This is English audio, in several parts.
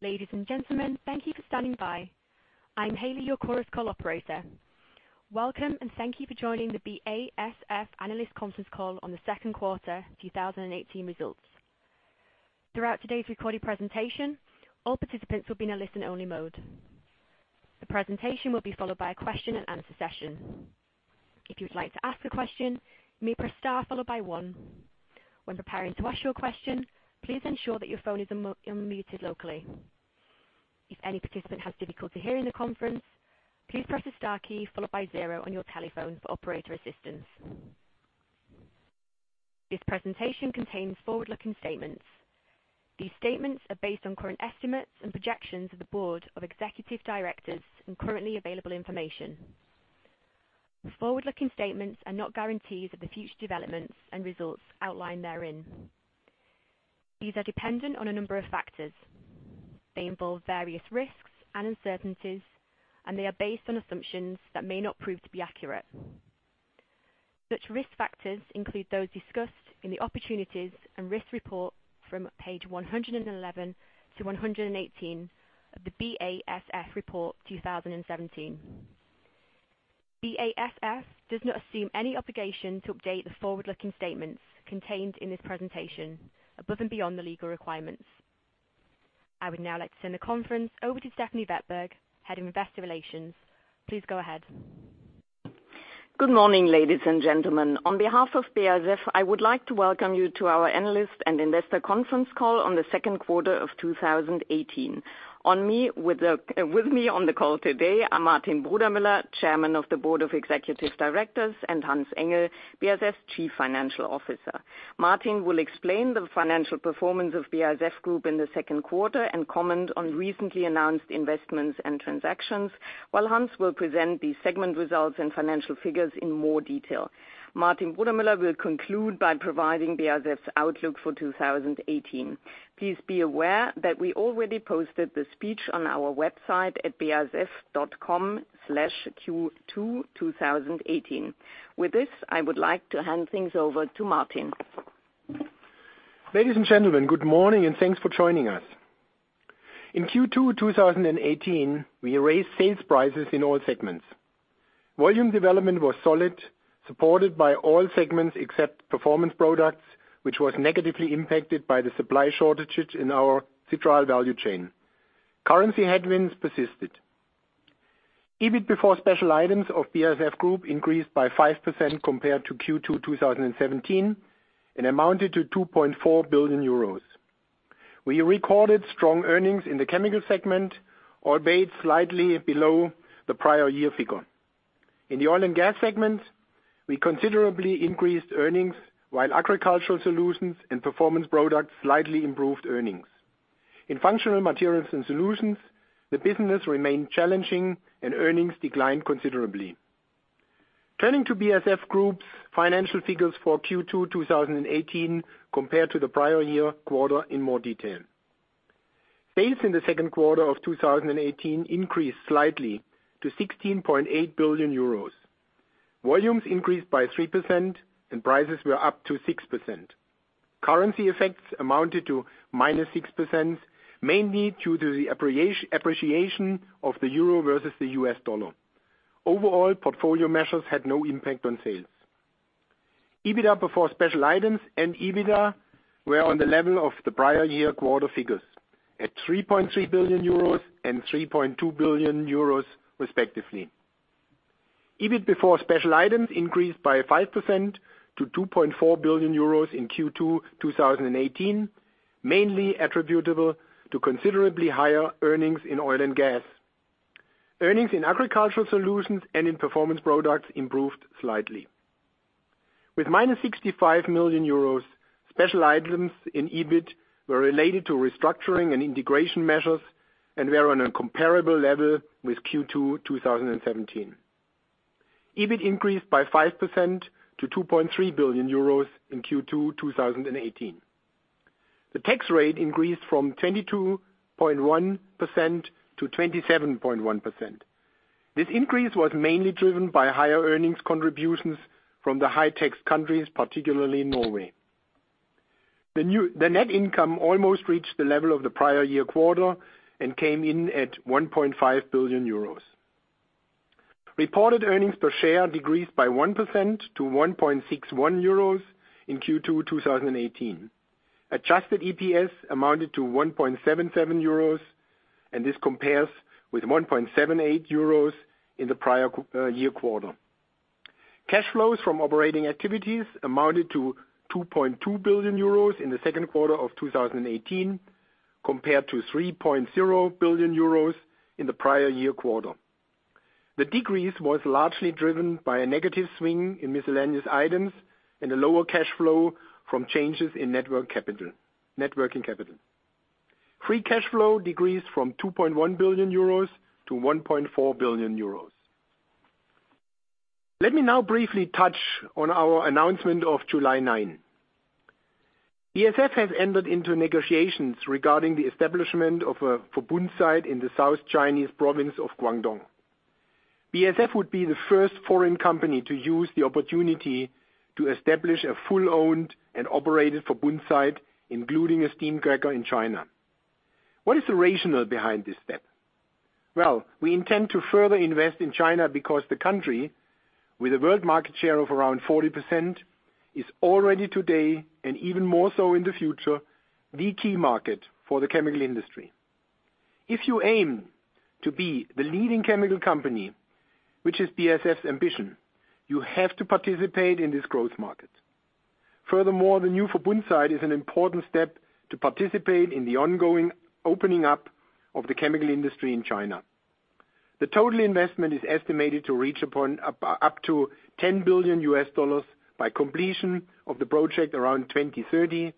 Ladies and gentlemen, thank you for standing by. I am Hailey, your Chorus Call operator. Welcome, and thank you for joining the BASF Analyst Conference Call on the second quarter 2018 results. Throughout today's recorded presentation, all participants will be in a listen-only mode. The presentation will be followed by a question-and-answer session. If you would like to ask a question, you may press star followed by one. When preparing to ask your question, please ensure that your phone is unmuted locally. If any participant has difficulty hearing the conference, please press the star key followed by zero on your telephone for operator assistance. This presentation contains forward-looking statements. These statements are based on current estimates and projections of the Board of Executive Directors and currently available information. The forward-looking statements are not guarantees of the future developments and results outlined therein. These are dependent on a number of factors. They involve various risks and uncertainties. They are based on assumptions that may not prove to be accurate. Such risk factors include those discussed in the Opportunities and Risk Report from page 111 to 118 of the BASF Report 2017. BASF does not assume any obligation to update the forward-looking statements contained in this presentation above and beyond the legal requirements. I would now like to turn the conference over to Stefanie Wettberg, Head of Investor Relations. Please go ahead. Good morning, ladies and gentlemen. On behalf of BASF, I would like to welcome you to our analyst and investor conference call on the second quarter of 2018. With me on the call today are Martin Brudermüller, Chairman of the Board of Executive Directors, and Hans-Ulrich Engel, BASF Chief Financial Officer. Martin will explain the financial performance of BASF Group in the second quarter and comment on recently announced investments and transactions, while Hans will present the segment results and financial figures in more detail. Martin Brudermüller will conclude by providing BASF's outlook for 2018. Please be aware that we already posted the speech on our website at basf.com/q22018. With this, I would like to hand things over to Martin. Ladies and gentlemen, good morning. Thanks for joining us. In Q2 2018, we raised sales prices in all segments. Volume development was solid, supported by all segments except Performance Products, which was negatively impacted by the supply shortages in our citral value chain. Currency headwinds persisted. EBIT before special items of BASF Group increased by 5% compared to Q2 2017 and amounted to 2.4 billion euros. We recorded strong earnings in the Chemicals segment, albeit slightly below the prior year figure. In the Oil and Gas segment, we considerably increased earnings while Agricultural Solutions and Performance Products slightly improved earnings. In Functional Materials and Solutions, the business remained challenging and earnings declined considerably. Turning to BASF Group's financial figures for Q2 2018 compared to the prior year quarter in more detail. Sales in the second quarter of 2018 increased slightly to 16.8 billion euros. Volumes increased by 3%. Prices were up to 6%. Currency effects amounted to minus 6%, mainly due to the appreciation of the euro versus the US dollar. Overall, portfolio measures had no impact on sales. EBITDA before special items and EBITDA were on the level of the prior year quarter figures, at 3.3 billion euros and 3.2 billion euros respectively. EBIT before special items increased by 5% to 2.4 billion euros in Q2 2018, mainly attributable to considerably higher earnings in Oil and Gas. Earnings in Agricultural Solutions and in Performance Products improved slightly. With minus 65 million euros, special items in EBIT were related to restructuring and integration measures and were on a comparable level with Q2 2017. EBIT increased by 5% to 2.3 billion euros in Q2 2018. The tax rate increased from 22.1% to 27.1%. This increase was mainly driven by higher earnings contributions from the high tax countries, particularly Norway. The net income almost reached the level of the prior year quarter and came in at 1.5 billion euros. Reported earnings per share decreased by 1% to 1.61 euros in Q2 2018. Adjusted EPS amounted to 1.77 euros. This compares with 1.78 euros in the prior year quarter. Cash flows from operating activities amounted to 2.2 billion euros in the second quarter of 2018 compared to 3.0 billion euros in the prior year quarter. The decrease was largely driven by a negative swing in miscellaneous items and a lower cash flow from changes in net working capital. Free cash flow decreased from 2.1 billion euros to 1.4 billion euros. Let me now briefly touch on our announcement of July 9. BASF has entered into negotiations regarding the establishment of a Verbund site in the South Chinese province of Guangdong. BASF would be the first foreign company to use the opportunity to establish a full-owned and operated Verbund site, including a steam cracker in China. What is the rationale behind this step? Well, we intend to further invest in China because the country, with a world market share of around 40%, is already today, and even more so in the future, the key market for the chemical industry. If you aim to be the leading chemical company, which is BASF's ambition, you have to participate in this growth market. Furthermore, the new Verbund site is an important step to participate in the ongoing opening up of the chemical industry in China. The total investment is estimated to reach up to $10 billion by completion of the project around 2030,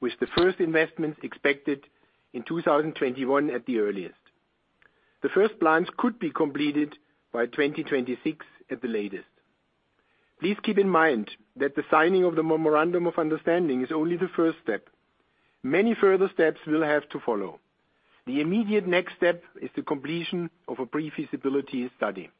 with the first investments expected in 2021 at the earliest. The first plant could be completed by 2026 at the latest. Please keep in mind that the signing of the memorandum of understanding is only the first step. Many further steps will have to follow. The immediate next step is the completion of a pre-feasibility study.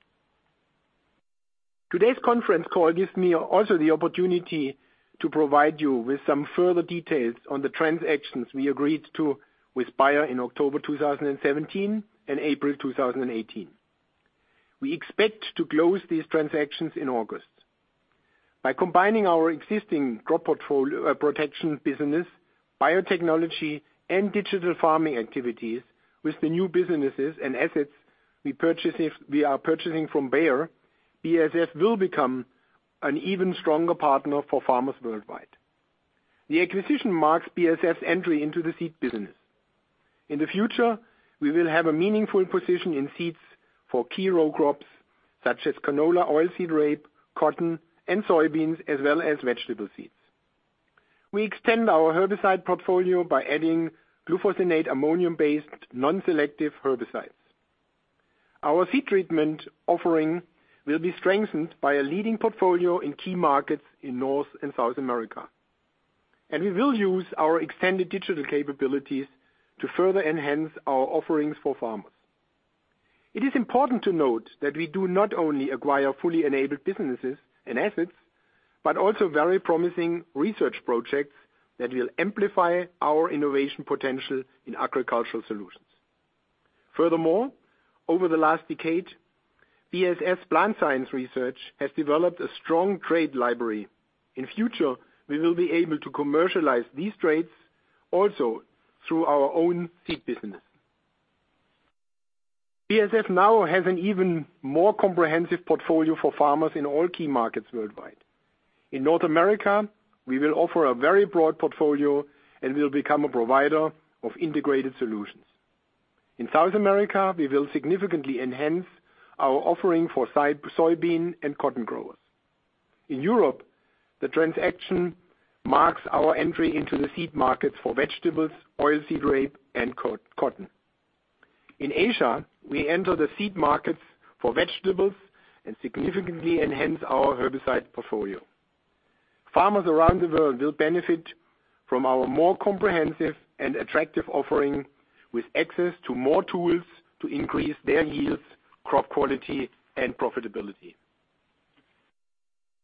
Today's conference call gives me also the opportunity to provide you with some further details on the transactions we agreed to with Bayer in October 2017 and April 2018. We expect to close these transactions in August. By combining our existing crop protection business, biotechnology, and digital farming activities with the new businesses and assets we are purchasing from Bayer, BASF will become an even stronger partner for farmers worldwide. The acquisition marks BASF's entry into the seed business. In the future, we will have a meaningful position in seeds for key row crops such as canola, oilseed rape, cotton, and soybeans, as well as vegetable seeds. We extend our herbicide portfolio by adding glufosinate-ammonium-based non-selective herbicides. Our seed treatment offering will be strengthened by a leading portfolio in key markets in North and South America. We will use our extended digital capabilities to further enhance our offerings for farmers. It is important to note that we do not only acquire fully enabled businesses and assets, but also very promising research projects that will amplify our innovation potential in agricultural solutions. Furthermore, over the last decade, BASF's plant science research has developed a strong trait library. In future, we will be able to commercialize these traits also through our own seed business. BASF now has an even more comprehensive portfolio for farmers in all key markets worldwide. In North America, we will offer a very broad portfolio and will become a provider of integrated solutions. In South America, we will significantly enhance our offering for soybean and cotton growers. In Europe, the transaction marks our entry into the seed markets for vegetables, oilseed rape, and cotton. In Asia, we enter the seed markets for vegetables and significantly enhance our herbicide portfolio. Farmers around the world will benefit from our more comprehensive and attractive offering with access to more tools to increase their yields, crop quality, and profitability.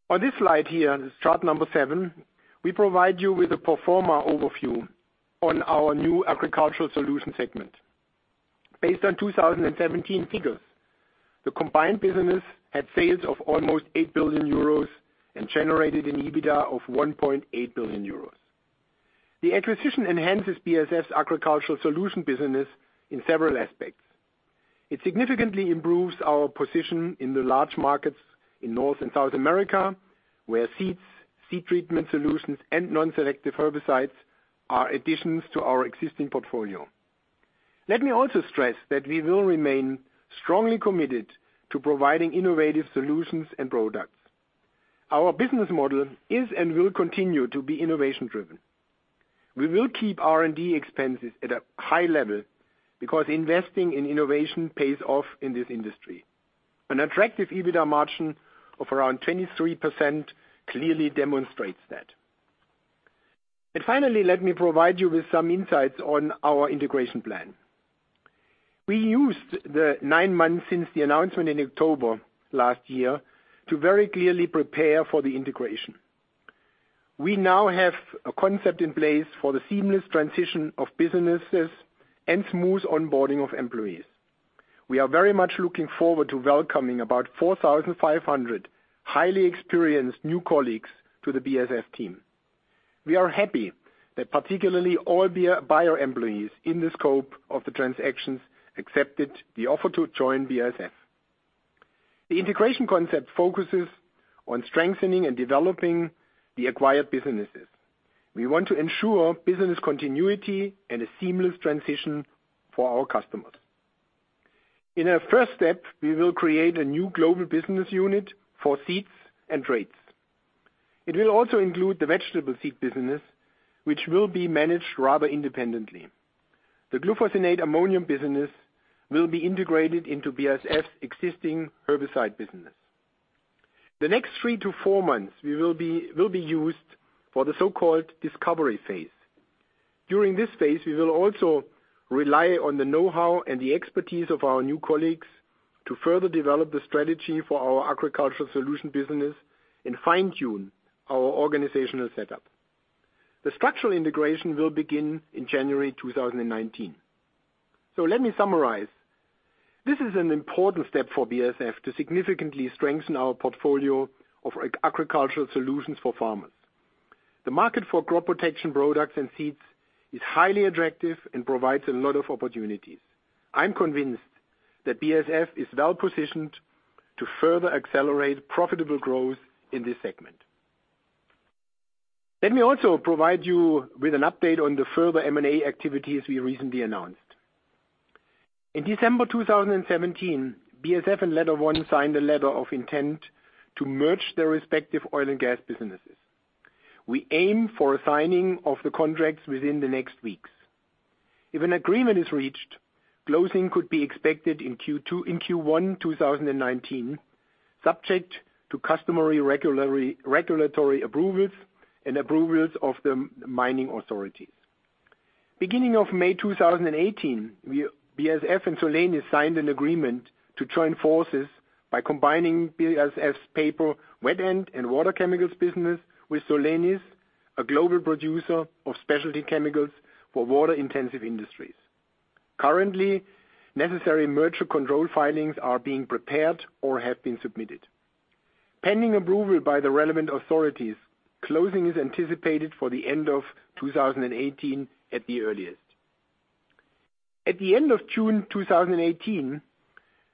On this slide here, chart number seven, we provide you with a pro forma overview on our new agricultural solutions segment. Based on 2017 figures, the combined business had sales of almost 8 billion euros and generated an EBITDA of 1.8 billion euros. The acquisition enhances BASF's agricultural solution business in several aspects. It significantly improves our position in the large markets in North and South America, where seeds, seed treatment solutions, and non-selective herbicides are additions to our existing portfolio. Let me also stress that we will remain strongly committed to providing innovative solutions and products. Our business model is and will continue to be innovation-driven. We will keep R&D expenses at a high level because investing in innovation pays off in this industry. An attractive EBITDA margin of around 23% clearly demonstrates that. Finally, let me provide you with some insights on our integration plan. We used the nine months since the announcement in October last year to very clearly prepare for the integration. We now have a concept in place for the seamless transition of businesses and smooth onboarding of employees. We are very much looking forward to welcoming about 4,500 highly experienced new colleagues to the BASF team. We are happy that particularly all Bayer employees in the scope of the transactions accepted the offer to join BASF. The integration concept focuses on strengthening and developing the acquired businesses. We want to ensure business continuity and a seamless transition for our customers. In a first step, we will create a new global business unit for seeds and traits. It will also include the vegetable seed business, which will be managed rather independently. The glufosinate-ammonium business will be integrated into BASF's existing herbicide business. The next three to four months will be used for the so-called discovery phase. During this phase, we will also rely on the know-how and the expertise of our new colleagues to further develop the strategy for our agricultural solution business and fine-tune our organizational setup. The structural integration will begin in January 2019. Let me summarize. This is an important step for BASF to significantly strengthen our portfolio of agricultural solutions for farmers. The market for crop protection products and seeds is highly attractive and provides a lot of opportunities. I am convinced that BASF is well-positioned to further accelerate profitable growth in this segment. Let me also provide you with an update on the further M&A activities we recently announced. In December 2017, BASF and LetterOne signed a letter of intent to merge their respective Oil and Gas businesses. We aim for signing of the contracts within the next weeks. If an agreement is reached, closing could be expected in Q1 2019, subject to customary regulatory approvals and approvals of the mining authorities. Beginning of May 2018, BASF and Solenis signed an agreement to join forces by combining BASF's paper wet end and water chemicals business with Solenis, a global producer of specialty chemicals for water-intensive industries. Currently, necessary merger control filings are being prepared or have been submitted. Pending approval by the relevant authorities, closing is anticipated for the end of 2018 at the earliest. At the end of June 2018,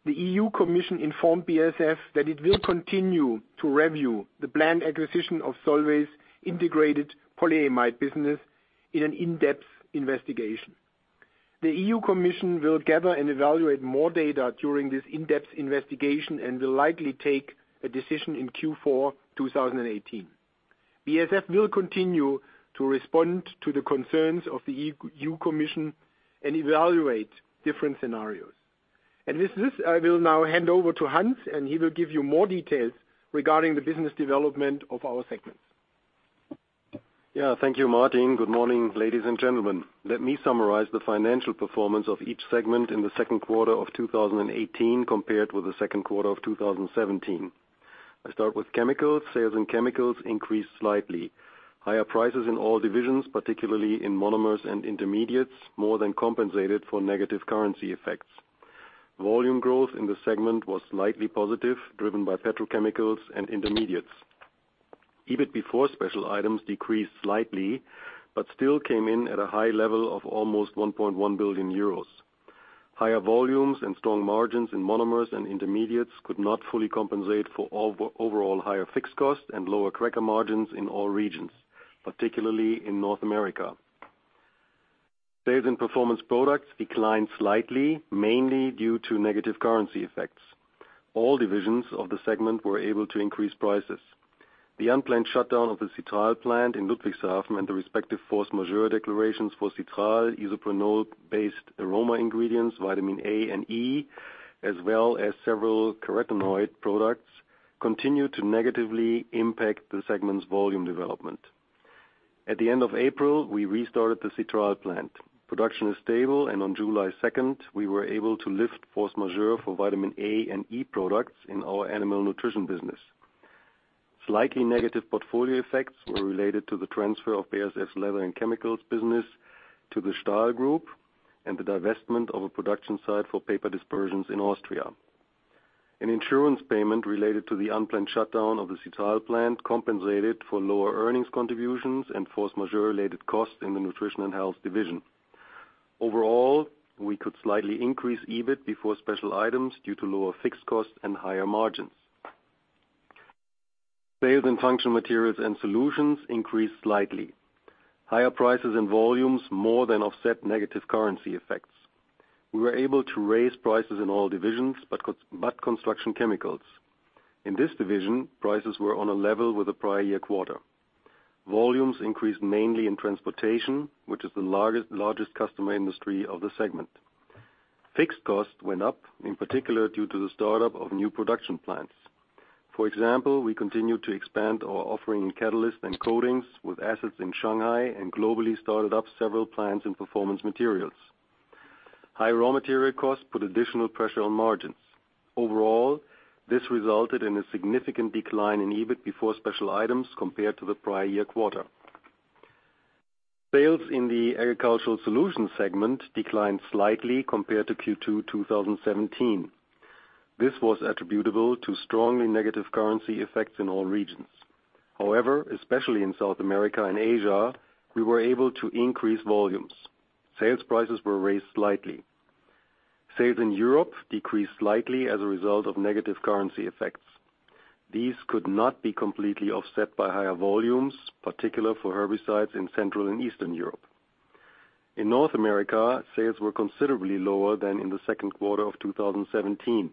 the European Commission informed BASF that it will continue to review the planned acquisition of Solvay's integrated polyamide business in an in-depth investigation. The European Commission will gather and evaluate more data during this in-depth investigation and will likely take a decision in Q4 2018. BASF will continue to respond to the concerns of the European Commission and evaluate different scenarios. With this, I will now hand over to Hans, and he will give you more details regarding the business development of our segments. Thank you, Martin. Good morning, ladies and gentlemen. Let me summarize the financial performance of each segment in the second quarter of 2018 compared with the second quarter of 2017. I start with Chemicals. Sales in Chemicals increased slightly. Higher prices in all divisions, particularly in monomers and intermediates, more than compensated for negative currency effects. Volume growth in the segment was slightly positive, driven by petrochemicals and intermediates. EBIT before special items decreased slightly, but still came in at a high level of almost 1.1 billion euros. Higher volumes and strong margins in monomers and intermediates could not fully compensate for overall higher fixed costs and lower cracker margins in all regions, particularly in North America. Sales in performance products declined slightly, mainly due to negative currency effects. All divisions of the segment were able to increase prices. The unplanned shutdown of the citral plant in Ludwigshafen and the respective force majeure declarations for citral isoprene-based aroma ingredients, vitamin A and E, as well as several carotenoid products, continue to negatively impact the segment's volume development. At the end of April, we restarted the citral plant. Production is stable, and on July 2nd, we were able to lift force majeure for vitamin A and E products in our animal nutrition business. Slightly negative portfolio effects were related to the transfer of BASF's leather and Chemicals business to the Stahl Group and the divestment of a production site for paper dispersions in Austria. An insurance payment related to the unplanned shutdown of the citral plant compensated for lower earnings contributions and force majeure-related costs in the nutrition and health division. Overall, we could slightly increase EBIT before special items due to lower fixed costs and higher margins. Sales in Functional Materials and Solutions increased slightly. Higher prices and volumes more than offset negative currency effects. We were able to raise prices in all divisions, but Construction Chemicals. In this division, prices were on a level with the prior year quarter. Volumes increased mainly in transportation, which is the largest customer industry of the segment. Fixed costs went up, in particular, due to the startup of new production plants. For example, we continued to expand our offering in catalysts and coatings with assets in Shanghai and globally started up several plants in performance materials. High raw material costs put additional pressure on margins. Overall, this resulted in a significant decline in EBIT before special items compared to the prior year quarter. Sales in the Agricultural Solutions segment declined slightly compared to Q2 2017. This was attributable to strongly negative currency effects in all regions. Especially in South America and Asia, we were able to increase volumes. Sales prices were raised slightly. Sales in Europe decreased slightly as a result of negative currency effects. These could not be completely offset by higher volumes, particularly for herbicides in Central and Eastern Europe. In North America, sales were considerably lower than in the second quarter of 2017.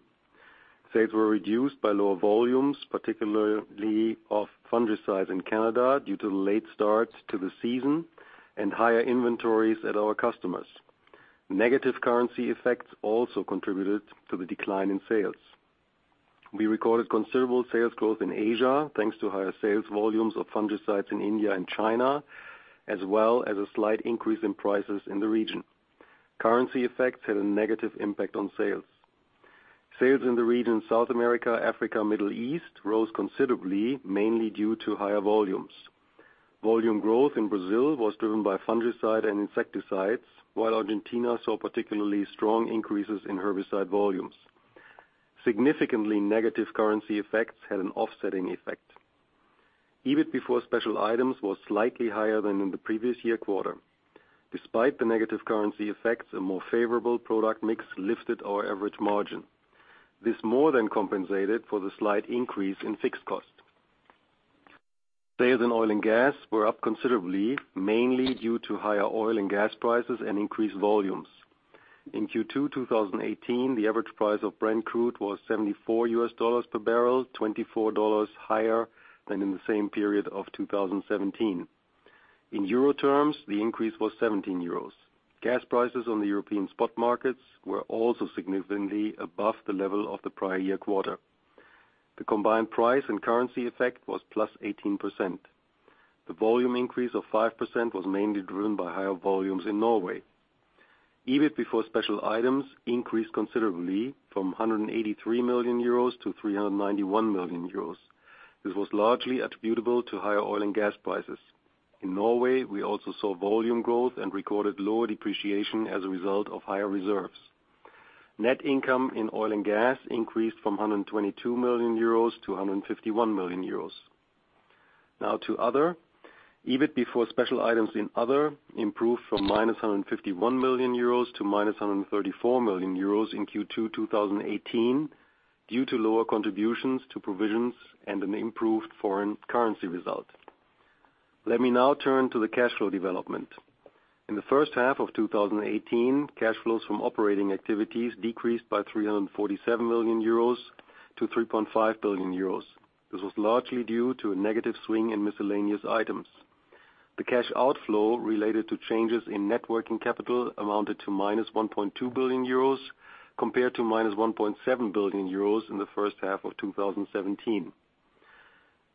Sales were reduced by lower volumes, particularly of fungicides in Canada due to the late start to the season and higher inventories at our customers. Negative currency effects also contributed to the decline in sales. We recorded considerable sales growth in Asia, thanks to higher sales volumes of fungicides in India and China, as well as a slight increase in prices in the region. Currency effects had a negative impact on sales. Sales in the region, South America, Africa, Middle East, rose considerably, mainly due to higher volumes. Volume growth in Brazil was driven by fungicide and insecticides, while Argentina saw particularly strong increases in herbicide volumes. Significantly negative currency effects had an offsetting effect. EBIT before special items was slightly higher than in the previous year quarter. Despite the negative currency effects, a more favorable product mix lifted our average margin. This more than compensated for the slight increase in fixed cost. Sales in Oil and Gas were up considerably, mainly due to higher Oil and Gas prices and increased volumes. In Q2 2018, the average price of Brent crude was $74 per barrel, $24 higher than in the same period of 2017. In euro terms, the increase was 17 euros. Gas prices on the European spot markets were also significantly above the level of the prior year quarter. The combined price and currency effect was +18%. The volume increase of 5% was mainly driven by higher volumes in Norway. EBIT before special items increased considerably from 183 million euros to 391 million euros. This was largely attributable to higher Oil and Gas prices. In Norway, we also saw volume growth and recorded lower depreciation as a result of higher reserves. Net income in Oil and Gas increased from 122 million euros to 151 million euros. Now to Other EBIT before special items in Other improved from minus 151 million euros to minus 134 million euros in Q2 2018, due to lower contributions to provisions and an improved foreign currency result. Let me now turn to the cash flow development. In the first half of 2018, cash flows from operating activities decreased by 347 million euros to 3.5 billion euros. This was largely due to a negative swing in miscellaneous items. The cash outflow related to changes in net working capital amounted to minus 1.2 billion euros compared to minus 1.7 billion euros in the first half of 2017.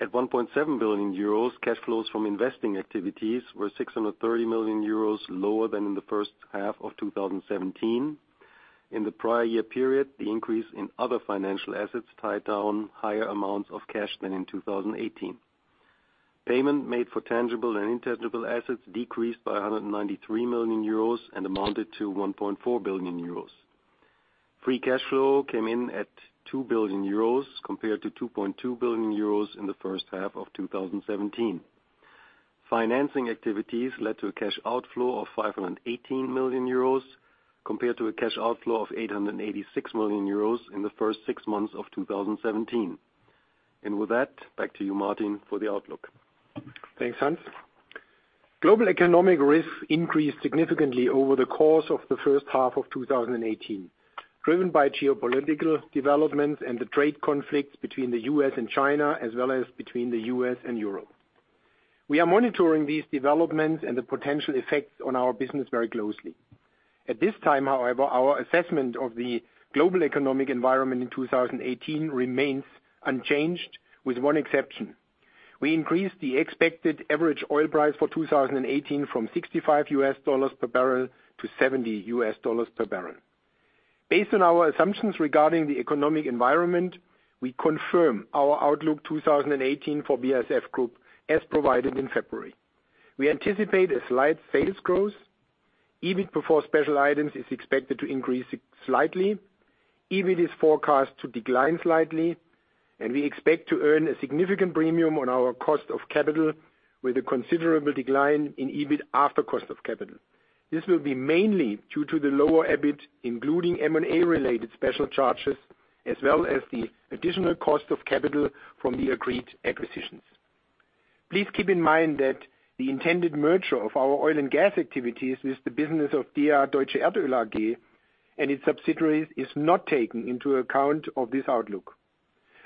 At 1.7 billion euros, cash flows from investing activities were 630 million euros lower than in the first half of 2017. In the prior year period, the increase in other financial assets tied down higher amounts of cash than in 2018. Payment made for tangible and intangible assets decreased by 193 million euros and amounted to 1.4 billion euros. Free cash flow came in at 2 billion euros compared to 2.2 billion euros in the first half of 2017. Financing activities led to a cash outflow of 518 million euros compared to a cash outflow of 886 million euros in the first six months of 2017. With that, back to you, Martin, for the outlook. Thanks, Hans. Global economic risks increased significantly over the course of the first half of 2018, driven by geopolitical developments and the trade conflicts between the U.S. and China, as well as between the U.S. and Europe. We are monitoring these developments and the potential effects on our business very closely. At this time, however, our assessment of the global economic environment in 2018 remains unchanged with one exception. We increased the expected average oil price for 2018 from $65 U.S. per barrel to $70 U.S. per barrel. Based on our assumptions regarding the economic environment, we confirm our outlook 2018 for BASF Group as provided in February. We anticipate a slight sales growth. EBIT before special items is expected to increase slightly. EBIT is forecast to decline slightly, and we expect to earn a significant premium on our cost of capital with a considerable decline in EBIT after cost of capital. This will be mainly due to the lower EBIT, including M&A related special charges, as well as the additional cost of capital from the agreed acquisitions. Please keep in mind that the intended merger of our Oil and Gas activities with the business of DEA Deutsche Erdöl AG and its subsidiaries is not taken into account of this outlook.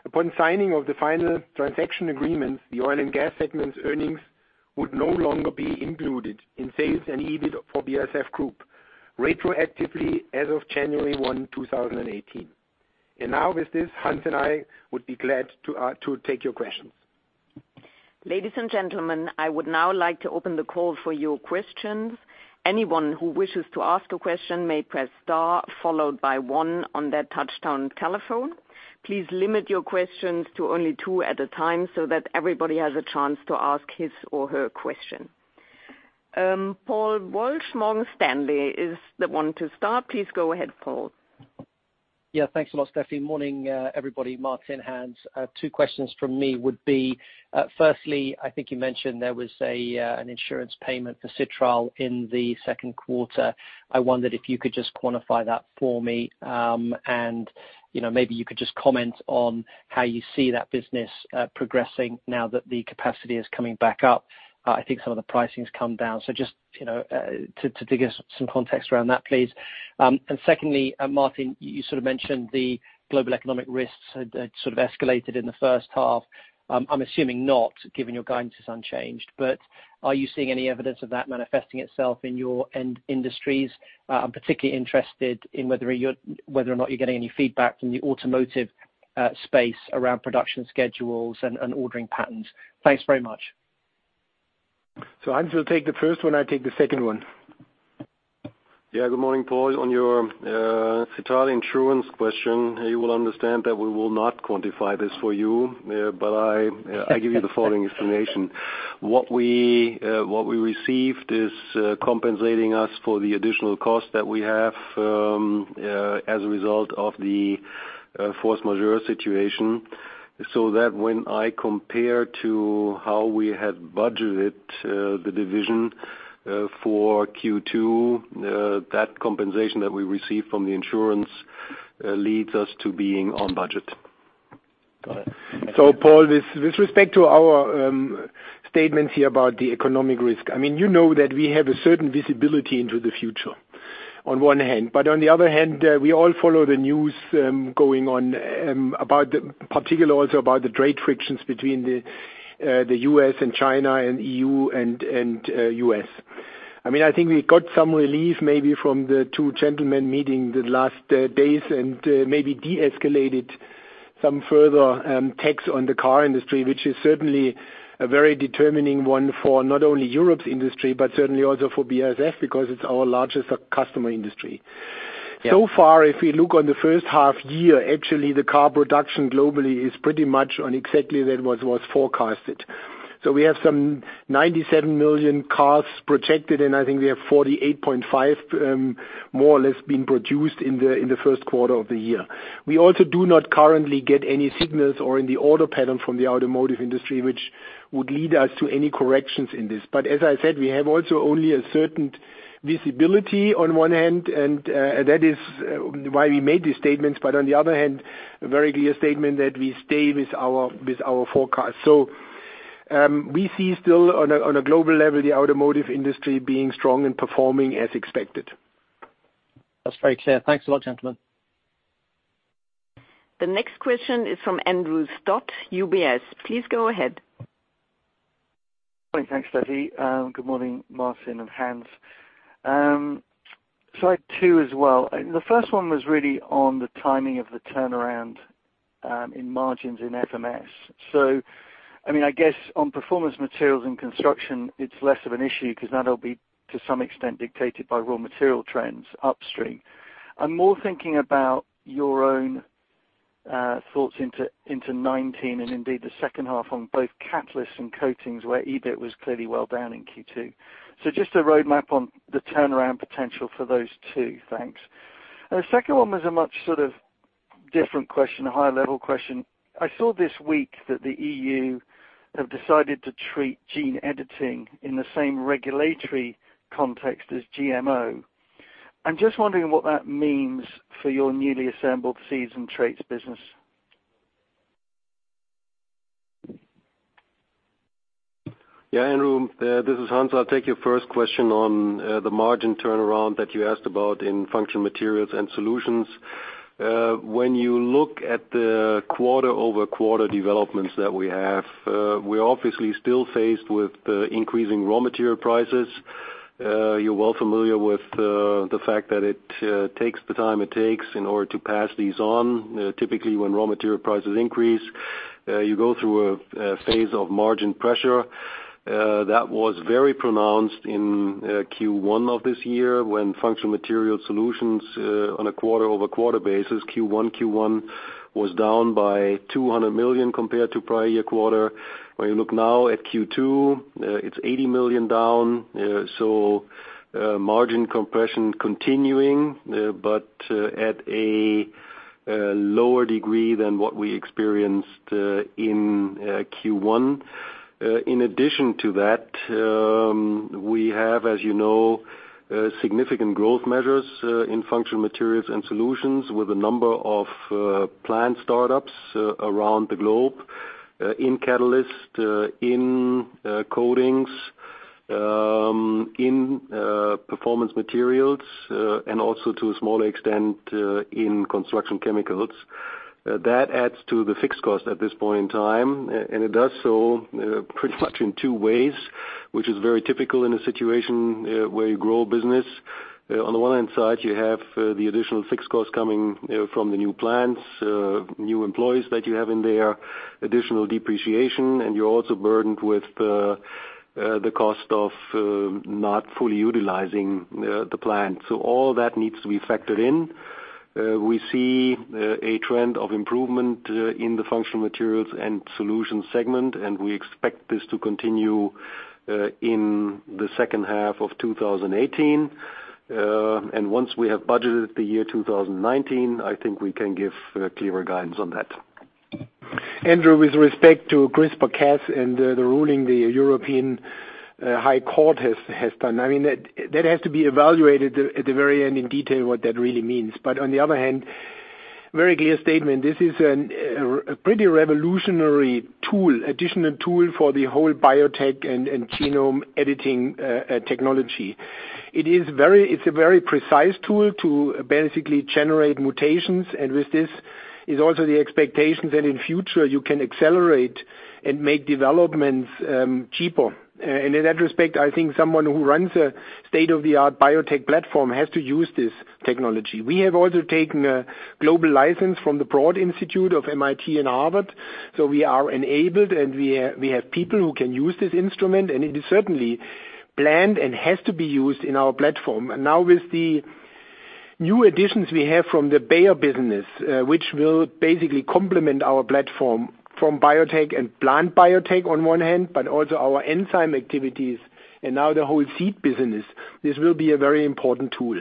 Upon signing of the final transaction agreement, the Oil and Gas segment earnings would no longer be included in sales and EBIT for BASF Group, retroactively as of January 1, 2018. Now with this, Hans and I would be glad to take your questions. Ladies and gentlemen, I would now like to open the call for your questions. Anyone who wishes to ask a question may press star followed by one on their touch-tone telephone. Please limit your questions to only two at a time so that everybody has a chance to ask his or her question. Paul Walsh, Morgan Stanley, is the one to start. Please go ahead, Paul. Yeah, thanks a lot, Stefanie Wettberg. Morning, everybody, Martin, Hans. Two questions from me would be, firstly, I think you mentioned there was an insurance payment for Citral in the second quarter. I wondered if you could just quantify that for me, and maybe you could just comment on how you see that business progressing now that the capacity is coming back up. I think some of the pricing's come down. Just to give us some context around that, please. Secondly, Martin, you sort of mentioned the global economic risks had sort of escalated in the first half. I'm assuming not, given your guidance is unchanged. Are you seeing any evidence of that manifesting itself in your end industries? I'm particularly interested in whether or not you're getting any feedback from the automotive space around production schedules and ordering patterns. Thanks very much. Hans will take the first one. I take the second one. Good morning, Paul. On your citral issue question, you will understand that we will not quantify this for you. I give you the following explanation. What we received is compensating us for the additional cost that we have as a result of the force majeure situation, so that when I compare to how we had budgeted the division for Q2, that compensation that we received from the insurance leads us to being on budget. Got it. Paul, with respect to our statements here about the economic risk, you know that we have a certain visibility into the future on one hand. On the other hand, we all follow the news going on, in particular also about the trade frictions between the U.S. and China and EU and U.S. I think we got some relief maybe from the two gentlemen meeting the last days and maybe de-escalated some further tax on the car industry, which is certainly a very determining one for not only Europe's industry, but certainly also for BASF, because it's our largest customer industry. Yeah. Far, if we look on the first half year, actually, the car production globally is pretty much on exactly that was forecasted. We have some 97 million cars projected, and I think we have 48.5 more or less being produced in the first quarter of the year. We also do not currently get any signals or in the order pattern from the automotive industry, which would lead us to any corrections in this. As I said, we have also only a certain visibility on one hand, and that is why we made these statements. On the other hand, a very clear statement that we stay with our forecast. We see still on a global level, the automotive industry being strong and performing as expected. That's very clear. Thanks a lot, gentlemen. The next question is from Andrew Stott, UBS. Please go ahead. Morning. Thanks, Steffi. Good morning, Martin and Hans. I have two as well. The first one was really on the timing of the turnaround in margins in FMS. I guess on Performance Materials and Construction Chemicals, it's less of an issue because that'll be, to some extent, dictated by raw material trends upstream. I'm more thinking about your own thoughts into 2019, and indeed the second half on both Catalysts and Coatings, where EBIT was clearly well down in Q2. Just a roadmap on the turnaround potential for those two. Thanks. The second one was a much different question, a high-level question. I saw this week that the EU have decided to treat gene editing in the same regulatory context as GMO. I'm just wondering what that means for your newly assembled seeds and traits business. Yeah, Andrew, this is Hans. I'll take your first question on the margin turnaround that you asked about in Functional Materials and Solutions. When you look at the quarter-over-quarter developments that we have, we're obviously still faced with increasing raw material prices. You're well familiar with the fact that it takes the time it takes in order to pass these on. Typically, when raw material prices increase, you go through a phase of margin pressure. That was very pronounced in Q1 of this year when Functional Materials and Solutions on a quarter-over-quarter basis, Q1 was down by 200 million compared to prior year quarter. When you look now at Q2, it's 80 million down, margin compression continuing, but at a lower degree than what we experienced in Q1. In addition to that, we have, as you know, significant growth measures in Functional Materials and Solutions with a number of plant startups around the globe in Catalysts, in Coatings, in Performance Materials, and also to a smaller extent, in Construction Chemicals. That adds to the fixed cost at this point in time, and it does so pretty much in two ways, which is very typical in a situation where you grow a business. On the one hand side, you have the additional fixed cost coming from the new plants, new employees that you have in there, additional depreciation, and you're also burdened with the cost of not fully utilizing the plant. All that needs to be factored in. We see a trend of improvement in the Functional Materials and Solutions segment, and we expect this to continue in the second half of 2018. Once we have budgeted the year 2019, I think we can give clearer guidance on that. Andrew, with respect to CRISPR-Cas and the ruling the European High Court has done, that has to be evaluated at the very end in detail what that really means. On the other hand, very clear statement. This is a pretty revolutionary tool, additional tool for the whole biotech and genome editing technology. It's a very precise tool to basically generate mutations, and with this is also the expectation that in future you can accelerate and make developments cheaper. In that respect, I think someone who runs a state-of-the-art biotech platform has to use this technology. We have also taken a global license from the Broad Institute of MIT and Harvard. We are enabled, and we have people who can use this instrument, and it is certainly planned and has to be used in our platform. Now with the new additions we have from the Bayer business, which will basically complement our platform from biotech and plant biotech on one hand, but also our enzyme activities and now the whole seed business. This will be a very important tool.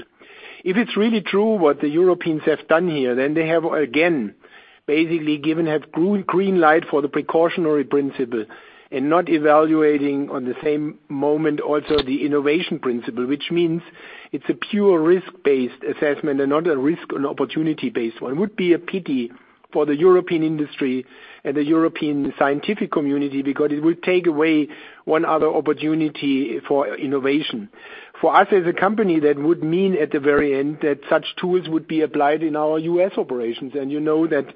If it's really true what the Europeans have done here, then they have, again, basically given a green light for the precautionary principle and not evaluating on the same moment also the innovation principle, which means it's a pure risk-based assessment and not a risk and opportunity-based one. Would be a pity for the European industry and the European scientific community because it would take away one other opportunity for innovation. For us as a company, that would mean at the very end that such tools would be applied in our U.S. operations, and you know that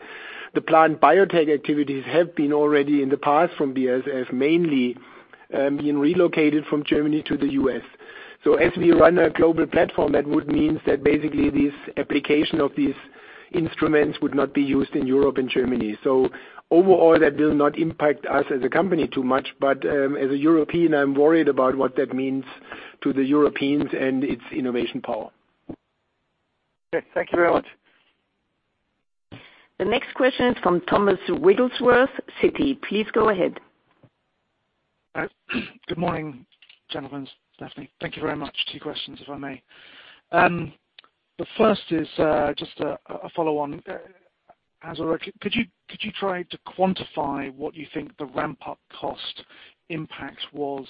the plant biotech activities have been already in the past from BASF mainly, been relocated from Germany to the U.S. As we run a global platform, that would mean that basically these application of these instruments would not be used in Europe and Germany. Overall that will not impact us as a company too much. As a European, I'm worried about what that means to the Europeans and its innovation power. Okay. Thank you very much. The next question is from Thomas Wrigglesworth, Citi. Please go ahead. Good morning, gentlemen. Stefanie. Thank you very much. Two questions, if I may. The first is just a follow-on. Could you try to quantify what you think the ramp-up cost impact was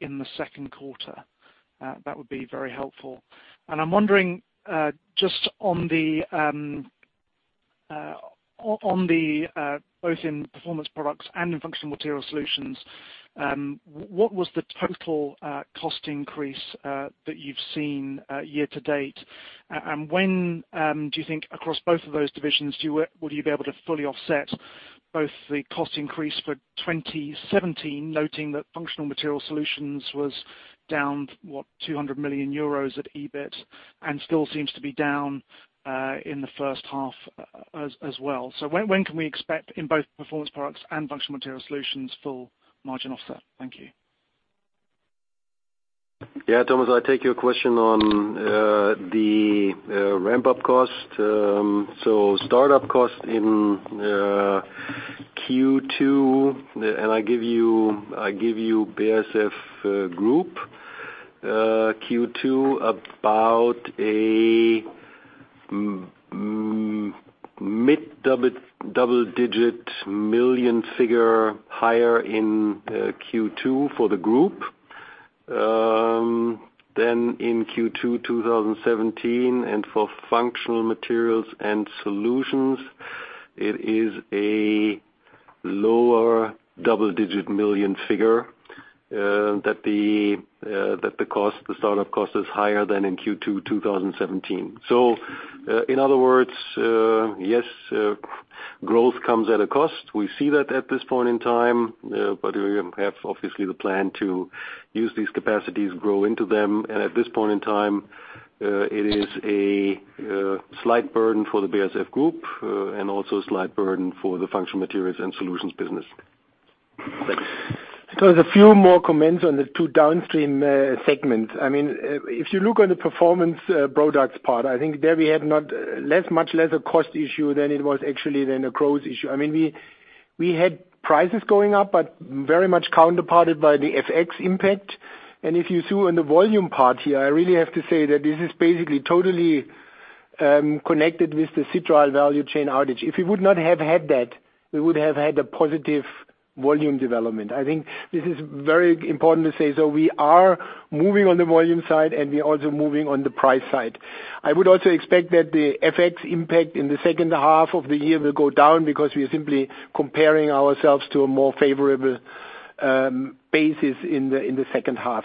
in the second quarter? That would be very helpful. I am wondering, just both in Performance Products and in Functional Material Solutions, what was the total cost increase that you've seen year-to-date? When do you think across both of those divisions will you be able to fully offset both the cost increase for 2017, noting that Functional Material Solutions was down, what? 200 million euros at EBIT and still seems to be down in the first half as well. When can we expect in both Performance Products and Functional Material Solutions full margin offset? Thank you. Yeah. Thomas, I take your question on the ramp-up cost. Startup cost in Q2, I give you BASF Group Q2 about a mid double-digit million figure higher in Q2 for the Group than in Q2 2017. For Functional Materials and Solutions, it is a lower double-digit million figure that the startup cost is higher than in Q2 2017. In other words, yes, growth comes at a cost. We see that at this point in time. We have obviously the plan to use these capacities, grow into them. At this point in time, it is a slight burden for the BASF Group, and also a slight burden for the Functional Materials and Solutions business. Thanks. There's a few more comments on the two downstream segments. If you look on the Performance Products part, I think there we have much less a cost issue than it was actually than a growth issue. We had prices going up, but very much counterparted by the FX impact. If you see on the volume part here, I really have to say that this is basically totally connected with the citral value chain outage. If we would not have had that, we would have had a positive volume development. I think this is very important to say. We are moving on the volume side, and we are also moving on the price side. I would also expect that the FX impact in the second half of the year will go down because we are simply comparing ourselves to a more favorable basis in the second half.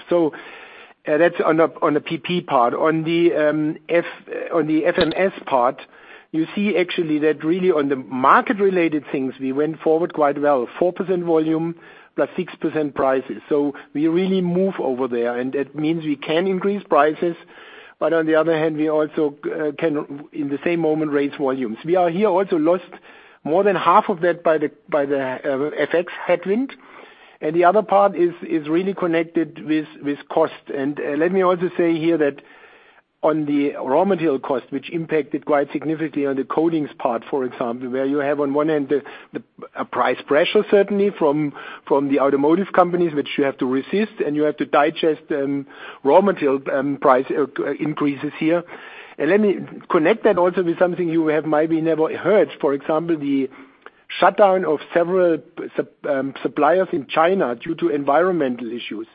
That's on the PP part. On the FMS part, you see actually that really on the market-related things, we went forward quite well, 4% volume + 6% prices. We really move over there, and that means we can increase prices. On the other hand, we also can in the same moment raise volumes. We are here also lost more than half of that by the FX headwind. The other part is really connected with cost. Let me also say here that on the raw material cost, which impacted quite significantly on the coatings part, for example, where you have on one end a price pressure certainly from the automotive companies, which you have to resist, and you have to digest raw material price increases here. Let me connect that also with something you have maybe never heard. For example, the shutdown of several suppliers in China due to environmental issues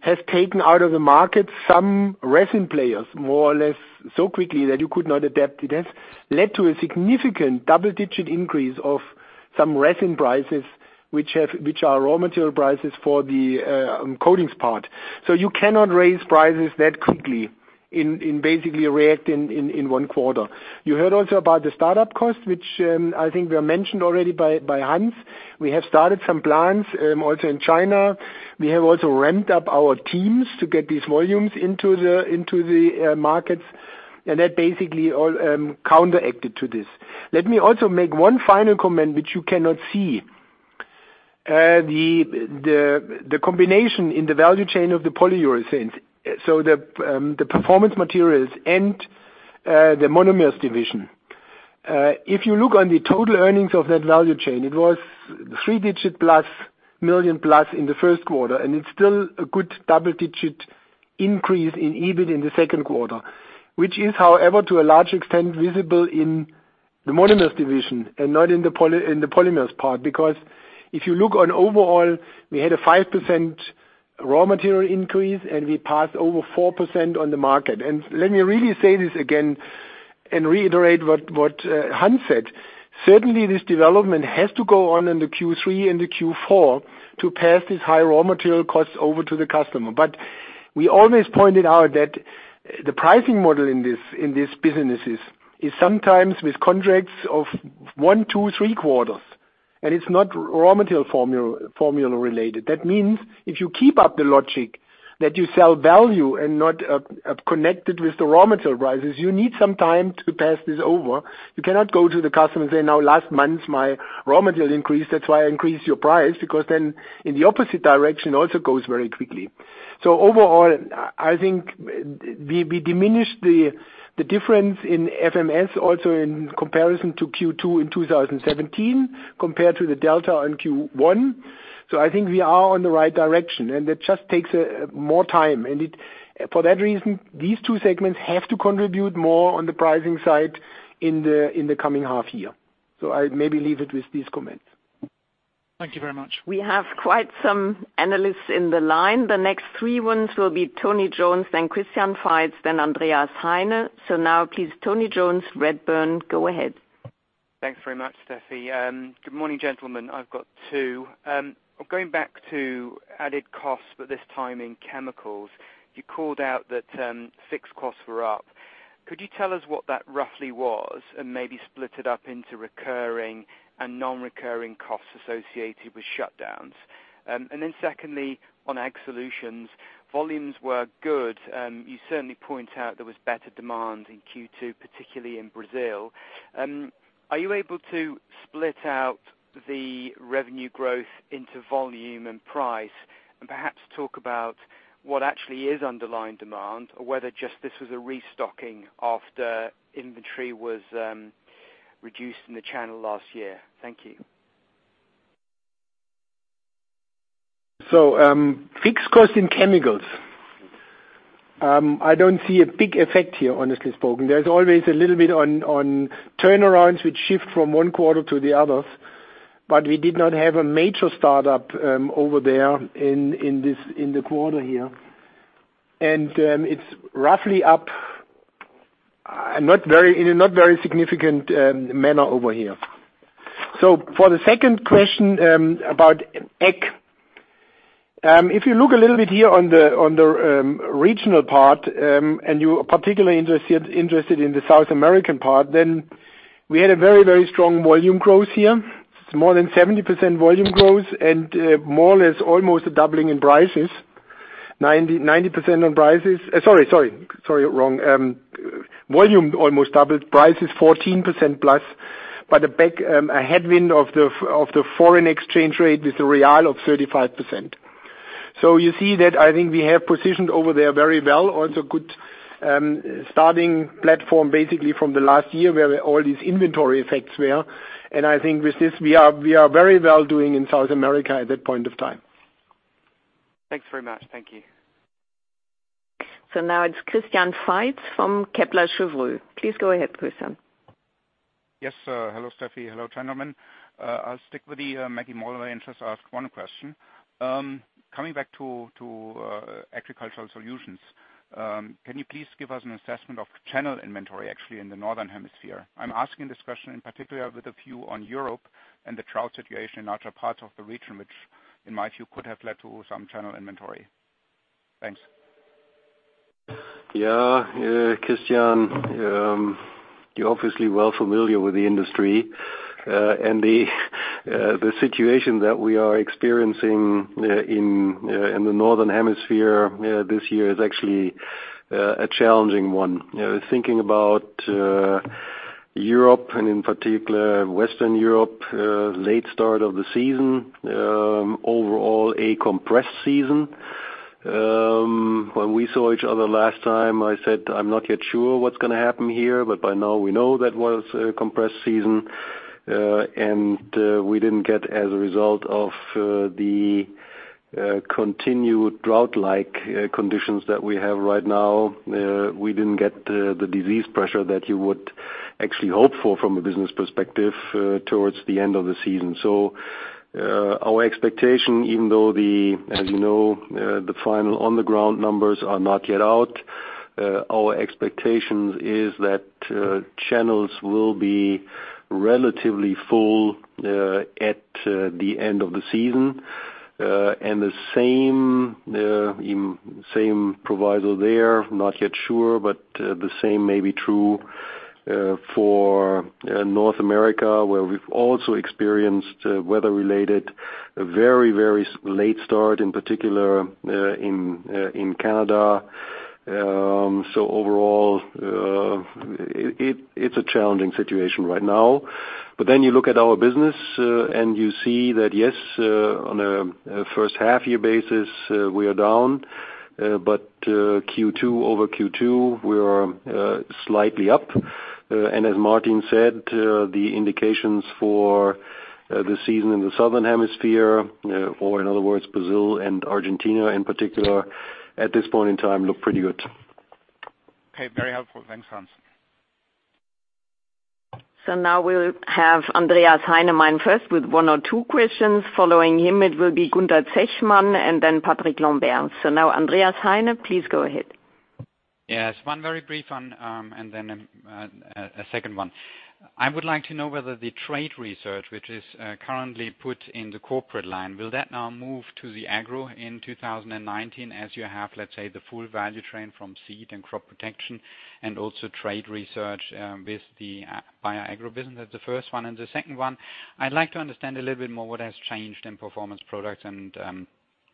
has taken out of the market some resin players, more or less so quickly that you could not adapt. It has led to a significant double-digit increase of some resin prices, which are raw material prices for the coatings part. You cannot raise prices that quickly and basically react in 1 quarter. You heard also about the startup cost, which I think were mentioned already by Hans. We have started some plants, also in China. We have also ramped up our teams to get these volumes into the markets, and that basically all counteracted to this. Let me also make one final comment, which you cannot see. The combination in the value chain of the polyurethanes, so the Performance Materials and the Monomers division. If you look on the total earnings of that value chain, it was three digit plus, million plus in the first quarter, and it's still a good double-digit increase in EBIT in the second quarter. Which is, however, to a large extent, visible in the Monomers division and not in the Polymers part, because if you look on overall, we had a 5% raw material increase, and we passed over 4% on the market. Let me really say this again and reiterate what Hans said. Certainly, this development has to go on in Q3 and Q4 to pass these high raw material costs over to the customer. We always pointed out that the pricing model in these businesses is sometimes with contracts of 1, 2, 3 quarters, and it's not raw material formula related. That means if you keep up the logic that you sell value and not connected with the raw material prices, you need some time to pass this over. You cannot go to the customer and say, "Now last month, my raw material increased, that's why I increased your price," because then in the opposite direction, also goes very quickly. Overall, I think we diminished the difference in FMS also in comparison to Q2 in 2017, compared to the delta in Q1. I think we are on the right direction, and it just takes more time. For that reason, these two segments have to contribute more on the pricing side in the coming half year. I maybe leave it with these comments. Thank you very much. We have quite some analysts in the line. The next three ones will be Tony Jones, then Christian Faitz, then Andreas Heine. Now please, Tony Jones, Redburn, go ahead. Thanks very much, Steffi. Good morning, gentlemen. I've got two. Going back to added costs, but this time in Chemicals. You called out that fixed costs were up. Could you tell us what that roughly was and maybe split it up into recurring and non-recurring costs associated with shutdowns? Secondly, on Agricultural Solutions, volumes were good. You certainly point out there was better demand in Q2, particularly in Brazil. Are you able to split out the revenue growth into volume and price and perhaps talk about what actually is underlying demand or whether just this was a restocking after inventory was reduced in the channel last year? Thank you. Fixed cost in Chemicals. I don't see a big effect here, honestly spoken. There's always a little bit on turnarounds, which shift from one quarter to the other, but we did not have a major startup over there in the quarter here. It's roughly up in a not very significant manner over here. For the second question about ag. If you look a little bit here on the regional part, and you are particularly interested in the South American part, we had a very strong volume growth here. It's more than 70% volume growth and more or less almost a doubling in prices, 90% on prices. Sorry, wrong. Volume almost doubled. Price is 14% plus. A headwind of the foreign exchange rate with the real of 35%. You see that I think we have positioned over there very well, also good starting platform, basically from the last year where all these inventory effects were. I think with this, we are very well doing in South America at that point of time. Thanks very much. Thank you. Now it's Christian Faitz from Kepler Cheuvreux. Please go ahead, Christian. Yes. Hello, Steffi. Hello, gentlemen. I'll stick with the [inaudible] interest, ask one question. Coming back to Agricultural Solutions, can you please give us an assessment of channel inventory actually in the northern hemisphere? I'm asking this question in particular with a view on Europe and the drought situation in other parts of the region, which in my view, could have led to some channel inventory. Thanks. Yeah. Christian, you're obviously well familiar with the industry. The situation that we are experiencing in the northern hemisphere this year is actually a challenging one. Thinking about Europe and in particular Western Europe, late start of the season. Overall, a compressed season. When we saw each other last time, I said, "I'm not yet sure what's going to happen here," By now we know that was a compressed season. We didn't get, as a result of the continued drought-like conditions that we have right now, we didn't get the disease pressure that you would actually hope for from a business perspective towards the end of the season. Our expectation, even though the, as you know, the final on-the-ground numbers are not yet out Our expectation is that channels will be relatively full at the end of the season. The same proviso there, not yet sure, but the same may be true for North America, where we've also experienced weather-related, very late start, in particular in Canada. Overall, it's a challenging situation right now. You look at our business and you see that, yes, on a first half year basis, we are down, but Q2 over Q2, we are slightly up. As Martin said, the indications for the season in the Southern hemisphere, or in other words, Brazil and Argentina in particular, at this point in time look pretty good. Okay. Very helpful. Thanks, Hans. Now we'll have Andreas Heine first with one or two questions. Following him, it will be Gunther Zechmann and then Patrick Lambert. Now Andreas Heine, please go ahead. Yes, one very brief one, and then a second one. I would like to know whether the trait research, which is currently put in the corporate line, will that now move to the agro in 2019 as you have, let's say, the full value train from seed and crop protection and also trait research with the Bayer agro business? That's the first one. The second one, I'd like to understand a little bit more what has changed in Performance Products and